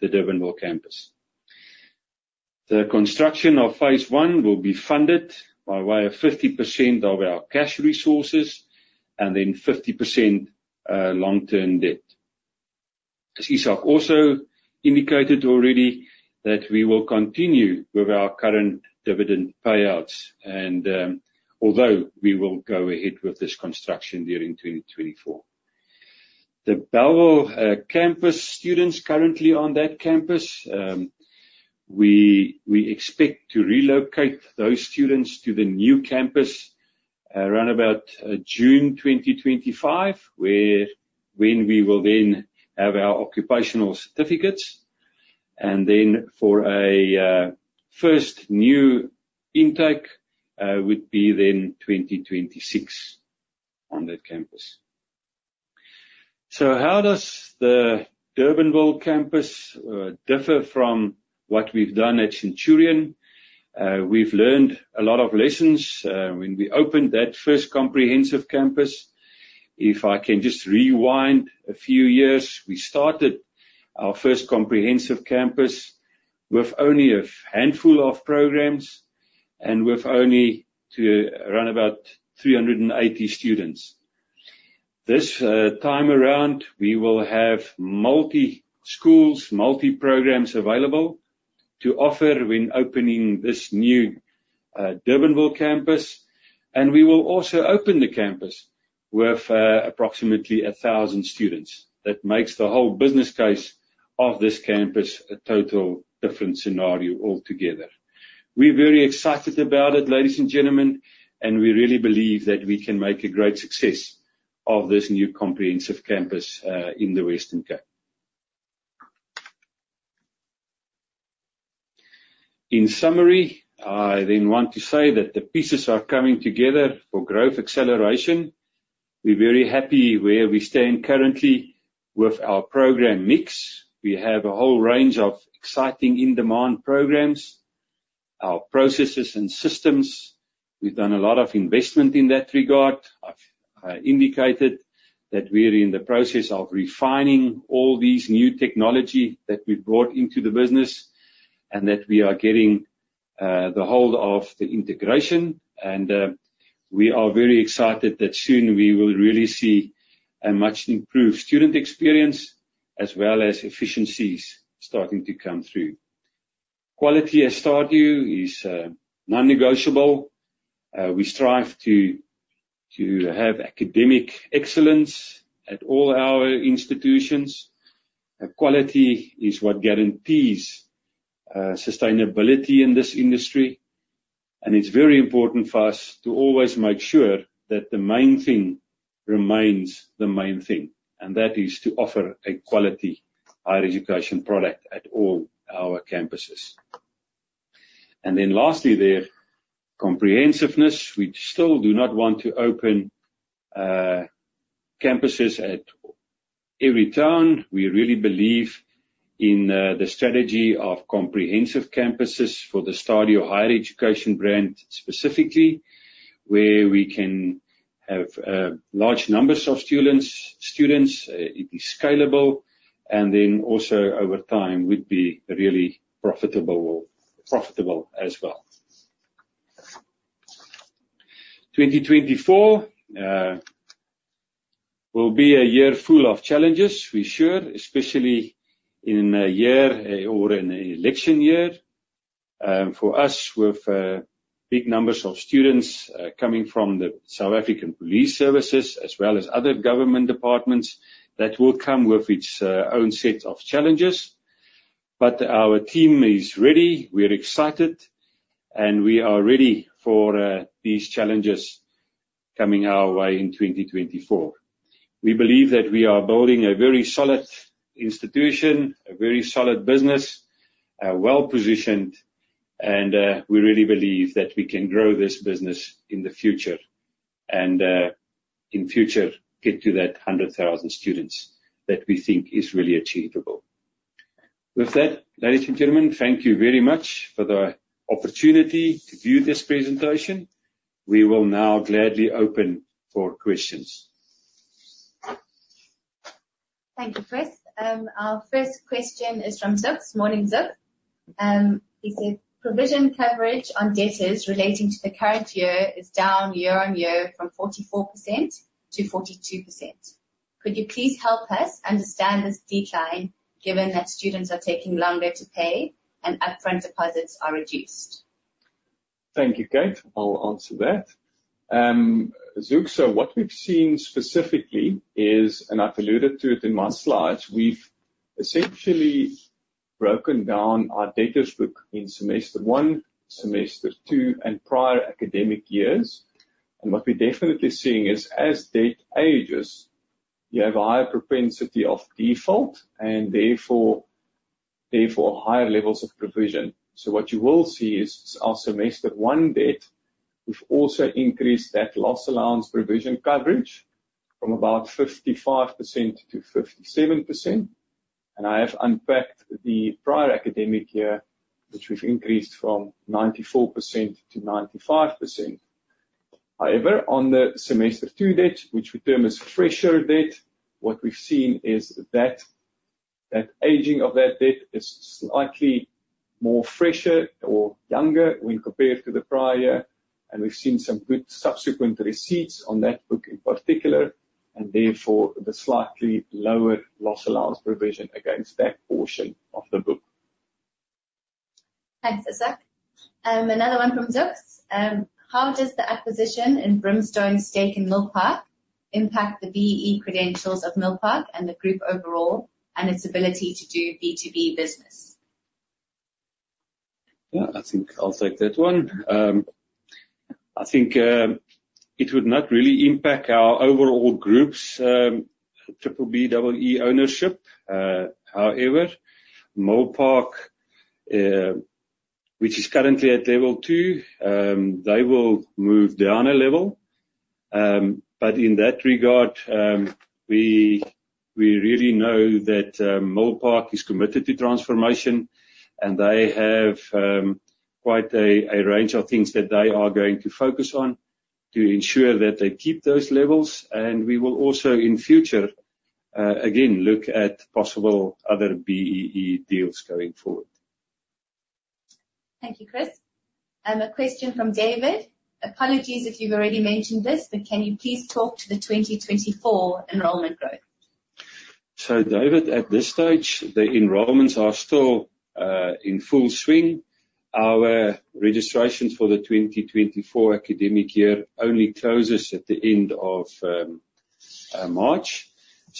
Durbanville campus. The construction of phase one will be funded by way of 50% of our cash resources and then 50% long-term debt. As Ishak also indicated already that we will continue with our current dividend payouts and although we will go ahead with this construction during 2024. The Bellville campus students currently on that campus, we expect to relocate those students to the new campus around about June 2025, when we will then have our occupational certificates. For a first new intake, would be then 2026 on that campus. How does the Durbanville campus differ from what we've done at Centurion? We've learned a lot of lessons, when we opened that first comprehensive campus. If I can just rewind a few years, we started our first comprehensive campus with only a handful of programs and with only to around about 380 students. This time around, we will have multi schools, multi programs available to offer when opening this new Durbanville campus. We will also open the campus with approximately 1,000 students. That makes the whole business case of this campus a total different scenario altogether. We're very excited about it, ladies and gentlemen, and we really believe that we can make a great success of this new comprehensive campus, in the Western Cape. In summary, I then want to say that the pieces are coming together for growth acceleration. We're very happy where we stand currently with our program mix. We have a whole range of exciting in-demand programs. Our processes and systems, we've done a lot of investment in that regard. I've indicated that we're in the process of refining all these new technology that we've brought into the business and that we are getting the hold of the integration. We are very excited that soon we will really see a much improved student experience as well as efficiencies starting to come through. Quality at Stadio is non-negotiable. We strive to have academic excellence at all our institutions. A quality is what guarantees sustainability in this industry. It's very important for us to always make sure that the main thing remains the main thing, and that is to offer a quality higher education product at all our campuses. Lastly, there, comprehensiveness. We still do not want to open campuses at every town. We really believe in the strategy of comprehensive campuses for the Stadio Higher Education brand specifically, where we can have large numbers of students. It is scalable and then also over time would be really profitable as well. 2024 will be a year full of challenges, we're sure, especially in a year or in a election year. For us, with big numbers of students coming from the South African Police Service as well as other government departments, that will come with its own set of challenges. Our team is ready, we're excited, and we are ready for these challenges coming our way in 2024. We believe that we are building a very solid institution, a very solid business, well-positioned, and we really believe that we can grow this business in the future. In future get to that 100,000 students that we think is really achievable. With that, ladies and gentlemen, thank you very much for the opportunity to do this presentation. We will now gladly open for questions. Thank you, Chris. Our first question is from Zuks. Morning, Zuks. He said, "Provision coverage on debtors relating to the current year is down year-on-year from 44% to 42%. Could you please help us understand this decline given that students are taking longer to pay and upfront deposits are reduced? Thank you, Kate. I'll answer that. Zuks, what we've seen specifically is, and I've alluded to it in my slides, we've essentially broken down our debtors book in semester 1, semester 2, and prior academic years. What we're definitely seeing is as debt ages, you have a higher propensity of default and therefore, higher levels of provision. What you will see is our semester 1 debt, we've also increased that loss allowance provision coverage from about 55% to 57%, and I have unpacked the prior academic year, which we've increased from 94% to 95%. However, on the semester 2 debt, which we term as fresher debt, what we've seen is that aging of that debt is slightly more fresher or younger when compared to the prior year, and we've seen some good subsequent receipts on that book in particular, and therefore the slightly lower loss allowance provision against that portion of the book. Thanks, Ishak. Another one from Zuks. How does the acquisition in Brimstone's stake in Milpark impact the BEE credentials of Milpark and the group overall, and its ability to do B2B business? I think I'll take that one. I think, it would not really impact our overall groups, B-BBEE ownership. However, Milpark, which is currently at level 2, they will move down a level. In that regard, we really know that Milpark is committed to transformation, and they have quite a range of things that they are going to focus on to ensure that they keep those levels. We will also, in future, again, look at possible other BEE deals going forward. Thank you, Chris. A question from David. Apologies if you've already mentioned this, can you please talk to the 2024 enrollment growth? David, at this stage, the enrollments are still in full swing. Our registrations for the 2024 academic year only closes at the end of March.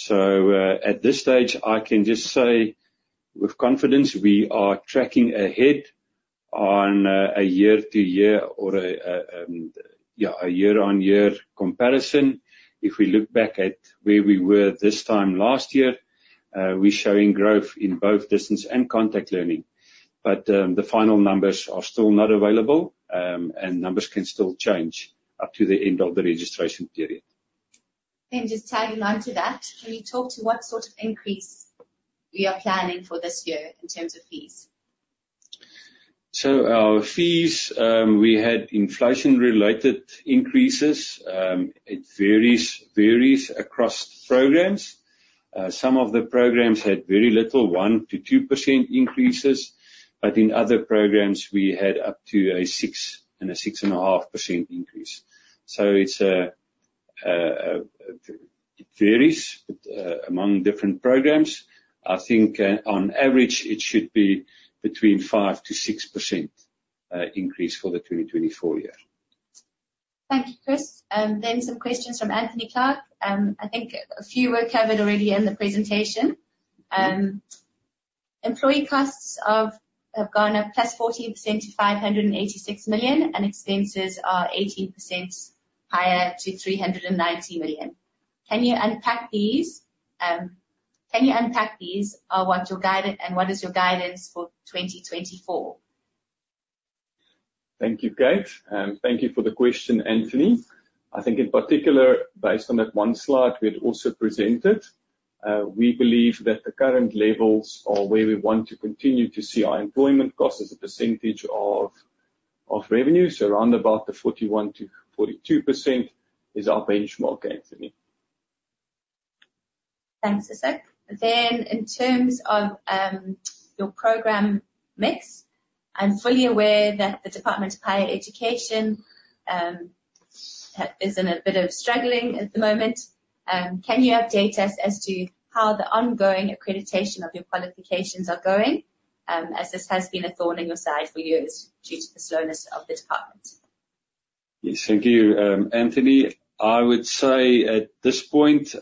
At this stage, I can just say with confidence we are tracking ahead on a year-to-year or a year-on-year comparison. If we look back at where we were this time last year, we're showing growth in both distance and contact learning. The final numbers are still not available, and numbers can still change up to the end of the registration period. Just tagging on to that, can you talk to what sort of increase we are planning for this year in terms of fees? Our fees, we had inflation-related increases. It varies across programs. Some of the programs had very little, 1%-2% increases, but in other programs we had up to a 6% and a 6.5% increase. It varies among different programs. I think on average it should be between 5%-6% increase for the 2024 year. Thank you, Chris. Some questions from Anthony Clark. I think a few were covered already in the presentation. Employee costs have gone up +14% to 586 million, and expenses are 18% higher to 390 million. Can you unpack these? What is your guidance for 2024? Thank you, Kate. Thank you for the question, Anthony. I think in particular, based on that one slide we had also presented, we believe that the current levels are where we want to continue to see our employment cost as a percentage of revenue. Around about the 41%-42% is our benchmark, Anthony. Thanks, Ishak. In terms of your program mix, I'm fully aware that the Department of Higher Education is in a bit of struggling at the moment. Can you update us as to how the ongoing accreditation of your qualifications are going? As this has been a thorn in your side for years due to the slowness of the department. Yes. Thank you, Anthony. I would say at this point,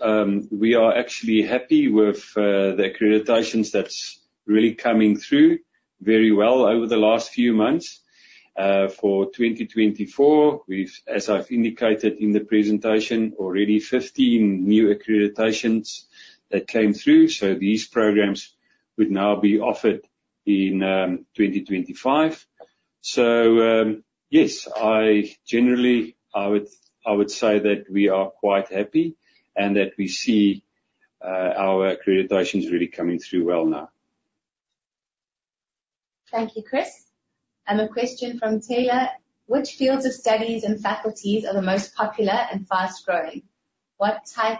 we are actually happy with the accreditations that's really coming through very well over the last few months. For 2024, as I've indicated in the presentation already, 15 new accreditations that came through. These programs would now be offered in 2025. Yes, generally, I would say that we are quite happy and that we see our accreditations really coming through well now. Thank you, Chris. A question from Taylor: Which fields of studies and faculties are the most popular and fast-growing? What type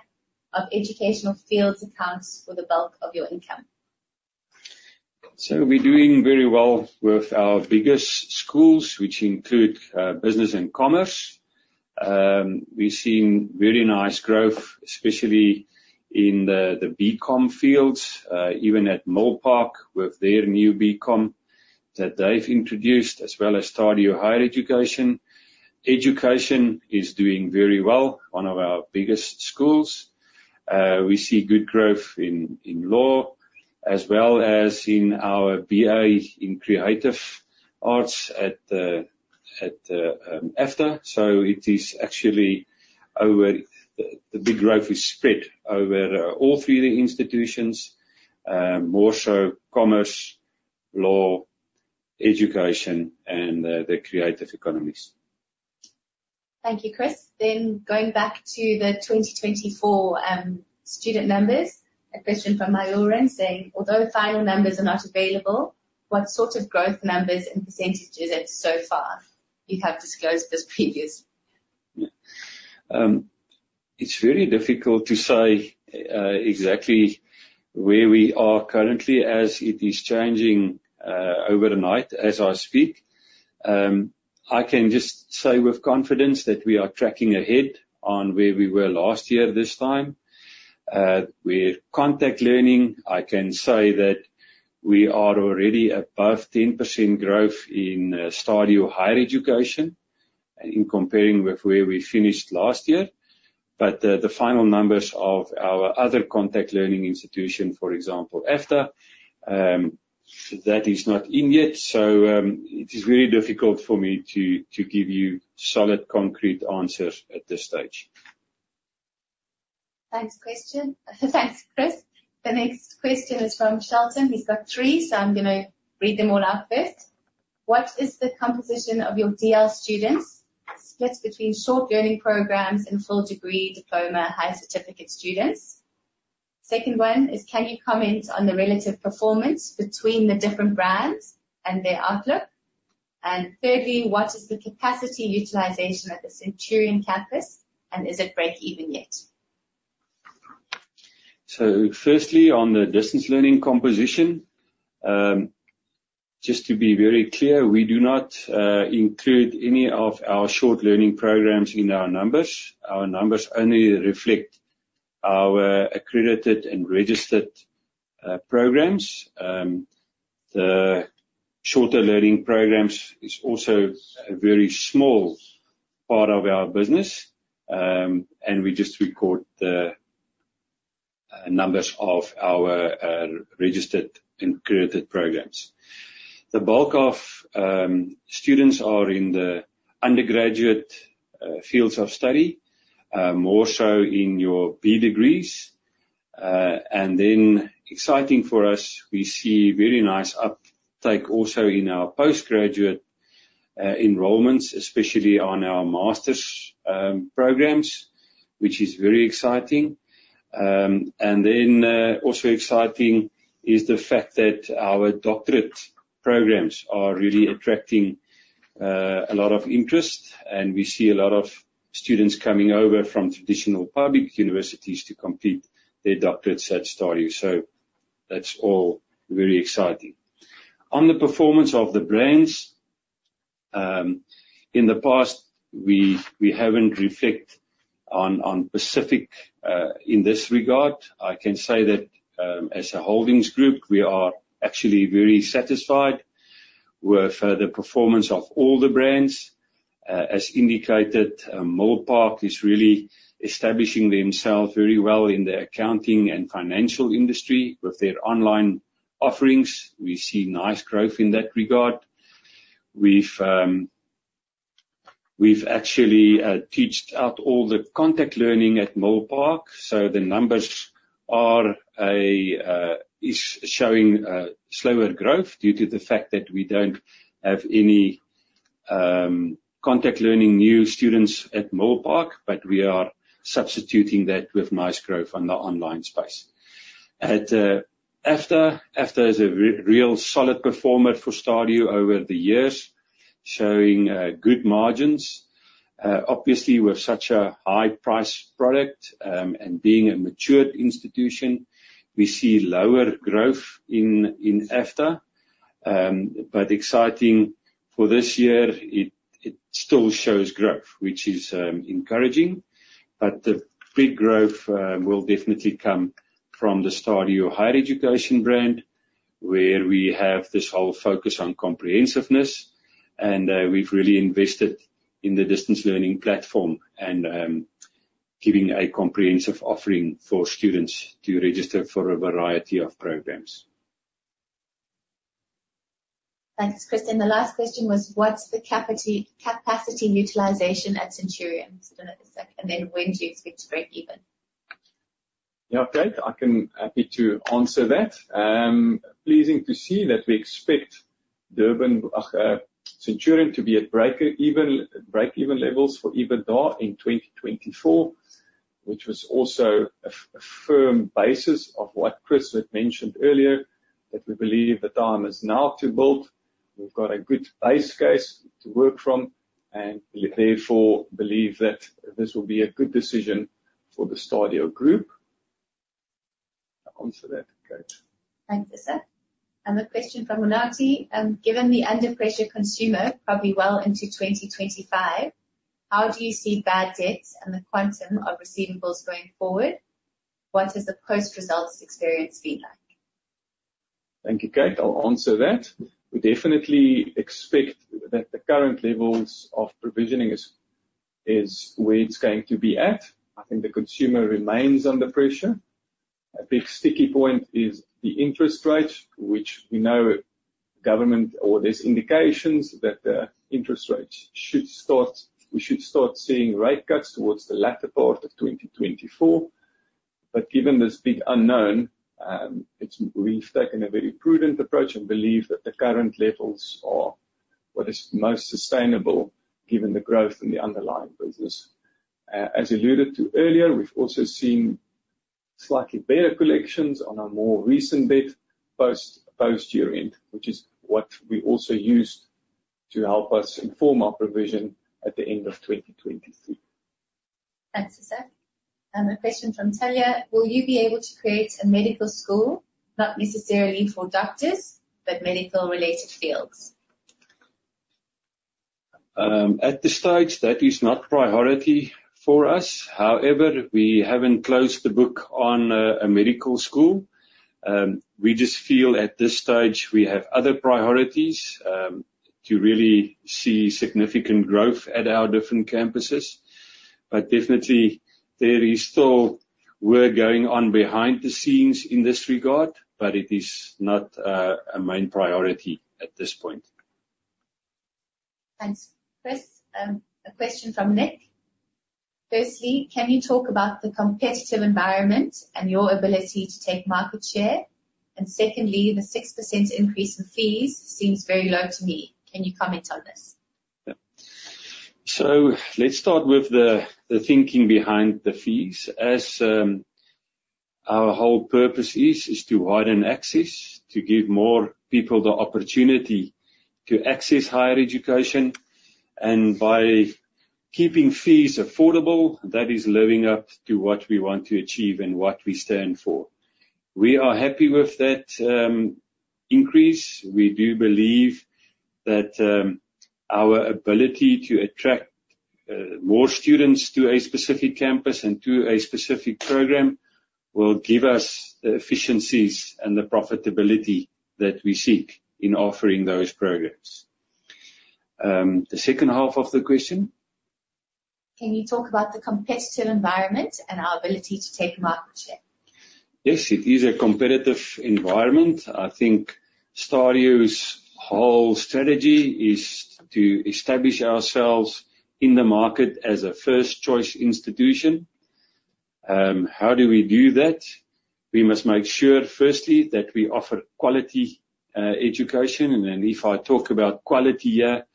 of educational fields accounts for the bulk of your income? We're doing very well with our biggest schools, which include business and commerce. We're seeing very nice growth, especially in the BCom fields, even at Milpark with their new BCom that they've introduced, as well as Stadio Higher Education. Education is doing very well, one of our biggest schools. We see good growth in law as well as in our BA in Creative Arts at AFDA. It is actually the big growth is spread over all three institutions, more so commerce, law, education, and the creative economies. Thank you, Chris. Going back to the 2024 student numbers. A question from Maureen saying, "Although final numbers are not available, what sort of growth numbers and % at Stadio you have disclosed as previous? It's very difficult to say exactly where we are currently, as it is changing overnight as I speak. I can just say with confidence that we are tracking ahead on where we were last year this time. With contact learning, I can say that we are already above 10% growth in Stadio Higher Education in comparing with where we finished last year. The final numbers of our other contact learning institution, for example, AFDA, that is not in yet. It is very difficult for me to give you solid, concrete answers at this stage. Thanks, Chris. The next question is from Shelton. He's got three. I'm going to read them all out first. What is the composition of your DL students split between short learning programs and full degree, diploma, higher certificate students? Second one is, can you comment on the relative performance between the different brands and their outlook? Thirdly, what is the capacity utilization at the Centurion campus, and is it breakeven yet? Firstly, on the distance learning composition. Just to be very clear, we do not include any of our short learning programs in our numbers. Our numbers only reflect our accredited and registered programs. The shorter learning programs is also a very small part of our business. We just record the numbers of our registered and accredited programs. The bulk of students are in the undergraduate fields of study, more so in your B degrees. Exciting for us, we see very nice uptake also in our post-graduate enrollments, especially on our master's programs, which is very exciting. Also exciting is the fact that our doctorate programs are really attracting a lot of interest, and we see a lot of students coming over from traditional public universities to complete their doctorate at Stadio. That's all very exciting. On the performance of the brands. In the past, we haven't reflected on specific, in this regard. I can say that, as a holdings group, we are actually very satisfied with the performance of all the brands. As indicated, Milpark is really establishing themselves very well in the accounting and financial industry with their online offerings. We see nice growth in that regard. We've actually phased out all the contact learning at Milpark, so the numbers are showing slower growth due to the fact that we don't have any contact learning new students at Milpark. But we are substituting that with nice growth on the online space. AFDA is a real solid performer for Stadio over the years, showing good margins. Obviously, with such a high price product, and being a mature institution, we see lower growth in AFDA. But exciting for this year, it still shows growth, which is encouraging. The big growth will definitely come from the Stadio Higher Education brand, where we have this whole focus on comprehensiveness, and we've really invested in the distance learning platform and giving a comprehensive offering for students to register for a variety of programs. Thanks, Chris. The last question was, what's the capacity utilization at Centurion? Just give me a second. When do you expect to break even? Yeah, Kate, Happy to answer that. Pleasing to see that we expect Centurion to be at break-even levels for EBITDA in 2024, which was also a firm basis of what Chris had mentioned earlier, that we believe the time is now to build. We've got a good base case to work from, and we therefore believe that this will be a good decision for the Stadio Group. I'll answer that, Kate. Thanks, Ishak. The question from Unati. Given the under-pressure consumer, probably well into 2025, how do you see bad debts and the quantum of receivables going forward? What has the post-results experience been like? Thank you, Kate. I'll answer that. We definitely expect that the current levels of provisioning is where it's going to be at. I think the consumer remains under pressure. A big sticky point is the interest rate, which we know government or there's indications that the interest rates, we should start seeing rate cuts towards the latter part of 2024. Given this big unknown, we've taken a very prudent approach and believe that the current levels are what is most sustainable given the growth in the underlying business. As alluded to earlier, we've also seen slightly better collections on our more recent debt post year-end, which is what we also used to help us inform our provision at the end of 2023. Thanks, Ishak. A question from Talia: Will you be able to create a medical school, not necessarily for doctors, but medical-related fields? At this stage, that is not priority for us. However, we haven't closed the book on a medical school. We just feel at this stage we have other priorities, to really see significant growth at our different campuses. Definitely there is still work going on behind the scenes in this regard, but it is not a main priority at this point. Thanks. Chris, a question from Nick. Firstly, can you talk about the competitive environment and your ability to take market share? Secondly, the 6% increase in fees seems very low to me. Can you comment on this? Let's start with the thinking behind the fees. As our whole purpose is to widen access, to give more people the opportunity to access higher education, and by keeping fees affordable, that is living up to what we want to achieve and what we stand for. We are happy with that increase. We do believe that our ability to attract more students to a specific campus and to a specific program will give us the efficiencies and the profitability that we seek in offering those programs. The second half of the question. Can you talk about the competitive environment and our ability to take market share? Yes, it is a competitive environment. I think Stadio's whole strategy is to establish ourselves in the market as a first-choice institution. How do we do that? We must make sure, firstly, that we offer quality education. If I talk about quality here,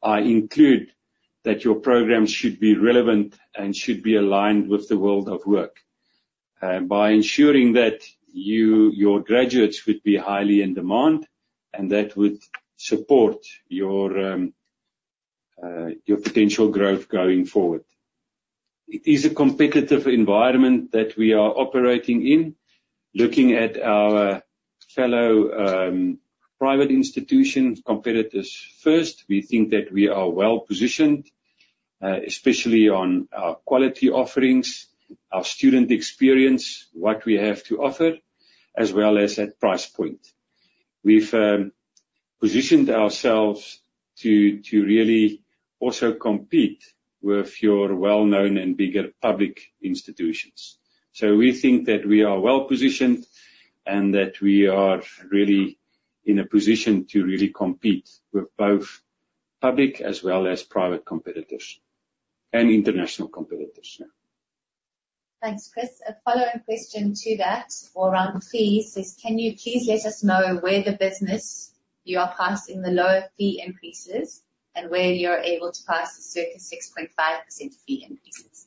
I include that your program should be relevant and should be aligned with the world of work. By ensuring that, your graduates would be highly in demand and that would support your potential growth going forward. It is a competitive environment that we are operating in. Looking at our fellow private institutions, competitors first, we think that we are well-positioned, especially on our quality offerings, our student experience, what we have to offer, as well as at price point. We've positioned ourselves to really also compete with your well-known and bigger public institutions. We think that we are well-positioned and that we are really in a position to really compete with both public as well as private competitors and international competitors. Thanks, Chris. A follow-on question to that all around fees is, can you please let us know where the business you are passing the lower fee increases and where you're able to pass the certain 6.5% fee increases?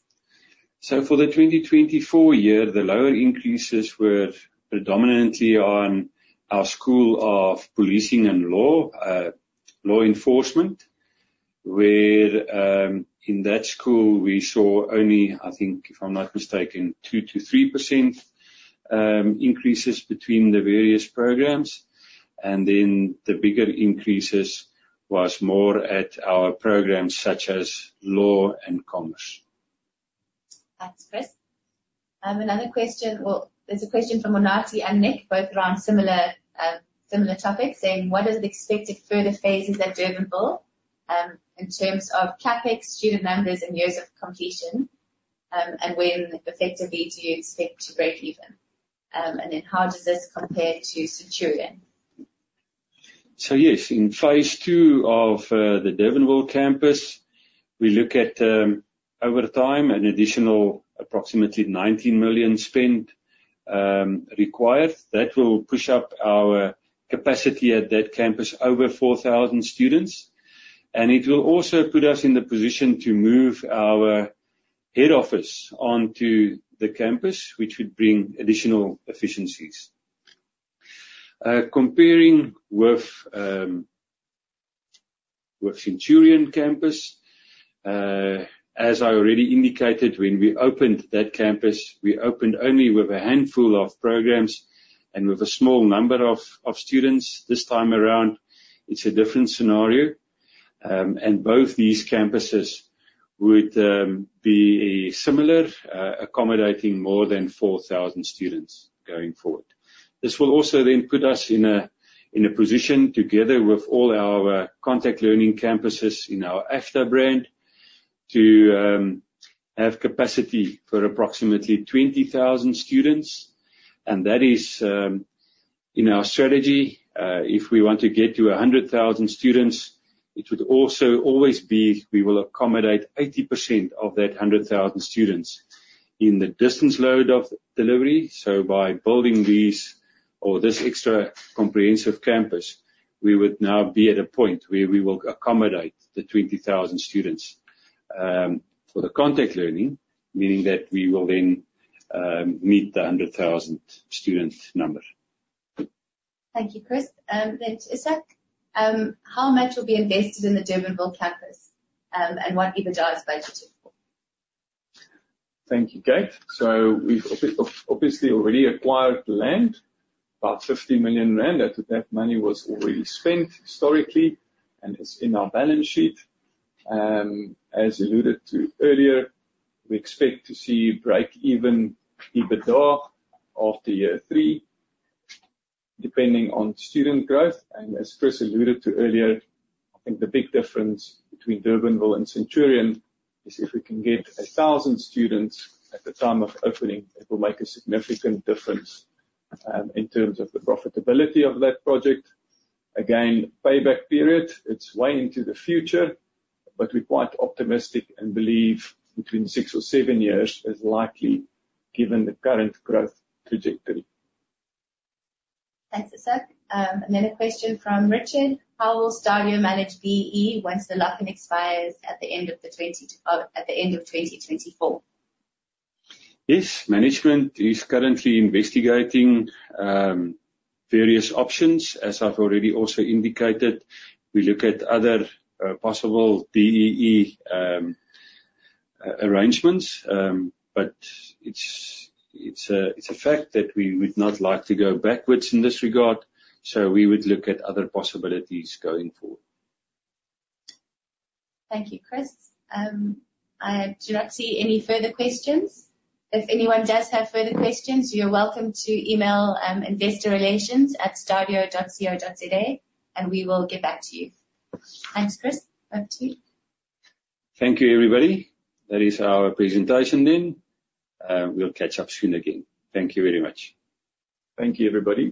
For the 2024 year, the lower increases were predominantly on our School of Policing & Law Enforcement. Where, in that school, we saw only, I think, if I'm not mistaken, 2%-3% increases between the various programs. The bigger increases was more at our programs such as law and commerce. Thanks, Chris. There's a question from Unati and Nick, both around similar topics. What is the expected further phases at Durbanville, in terms of CapEx, student numbers, and years of completion, when effectively do you expect to break even? How does this compare to Centurion? Yes, in phase 2 of the Durbanville campus, we look at, over time, an additional approximately 19 million spend, required. That will push up our capacity at that campus over 4,000 students, and it will also put us in the position to move our head office onto the campus, which would bring additional efficiencies. Comparing with Centurion campus, as I already indicated, when we opened that campus, we opened only with a handful of programs and with a small number of students. This time around, it's a different scenario. Both these campuses would be similar, accommodating more than 4,000 students going forward. This will also then put us in a position together with all our contact learning campuses in our AFDA brand to have capacity for approximately 20,000 students. That is in our strategy. If we want to get to 100,000 students, it would also always be, we will accommodate 80% of that 100,000 students in the distance mode of delivery. By building these or this extra comprehensive campus, we would now be at a point where we will accommodate the 20,000 students. For the contact learning, meaning that we will then meet the 100,000 student number. Thank you, Chris. To Ishak. How much will be invested in the Durbanville campus? What EBITDA is budgeted for? Thank you, Kate. We've obviously already acquired the land, about 50 million rand. That money was already spent historically, and it's in our balance sheet. As alluded to earlier, we expect to see breakeven EBITDA after year three, depending on student growth. As Chris alluded to earlier, I think the big difference between Durbanville and Centurion is if we can get 1,000 students at the time of opening, it will make a significant difference in terms of the profitability of that project. Again, payback period, it's way into the future, but we're quite optimistic and believe between six or seven years is likely given the current growth trajectory. Thanks, Ishak. Another question from Richard: How will Stadio manage BEE once the lock-in expires at the end of 2024? Yes, management is currently investigating various options. As I've already also indicated, we look at other possible BEE arrangements. It's a fact that we would not like to go backwards in this regard, we would look at other possibilities going forward. Thank you, Chris. I do not see any further questions. If anyone does have further questions, you're welcome to email investorelations@stadio.co.za and we will get back to you. Thanks, Chris. Back to you. Thank you, everybody. That is our presentation then. We'll catch up soon again. Thank you very much. Thank you, everybody.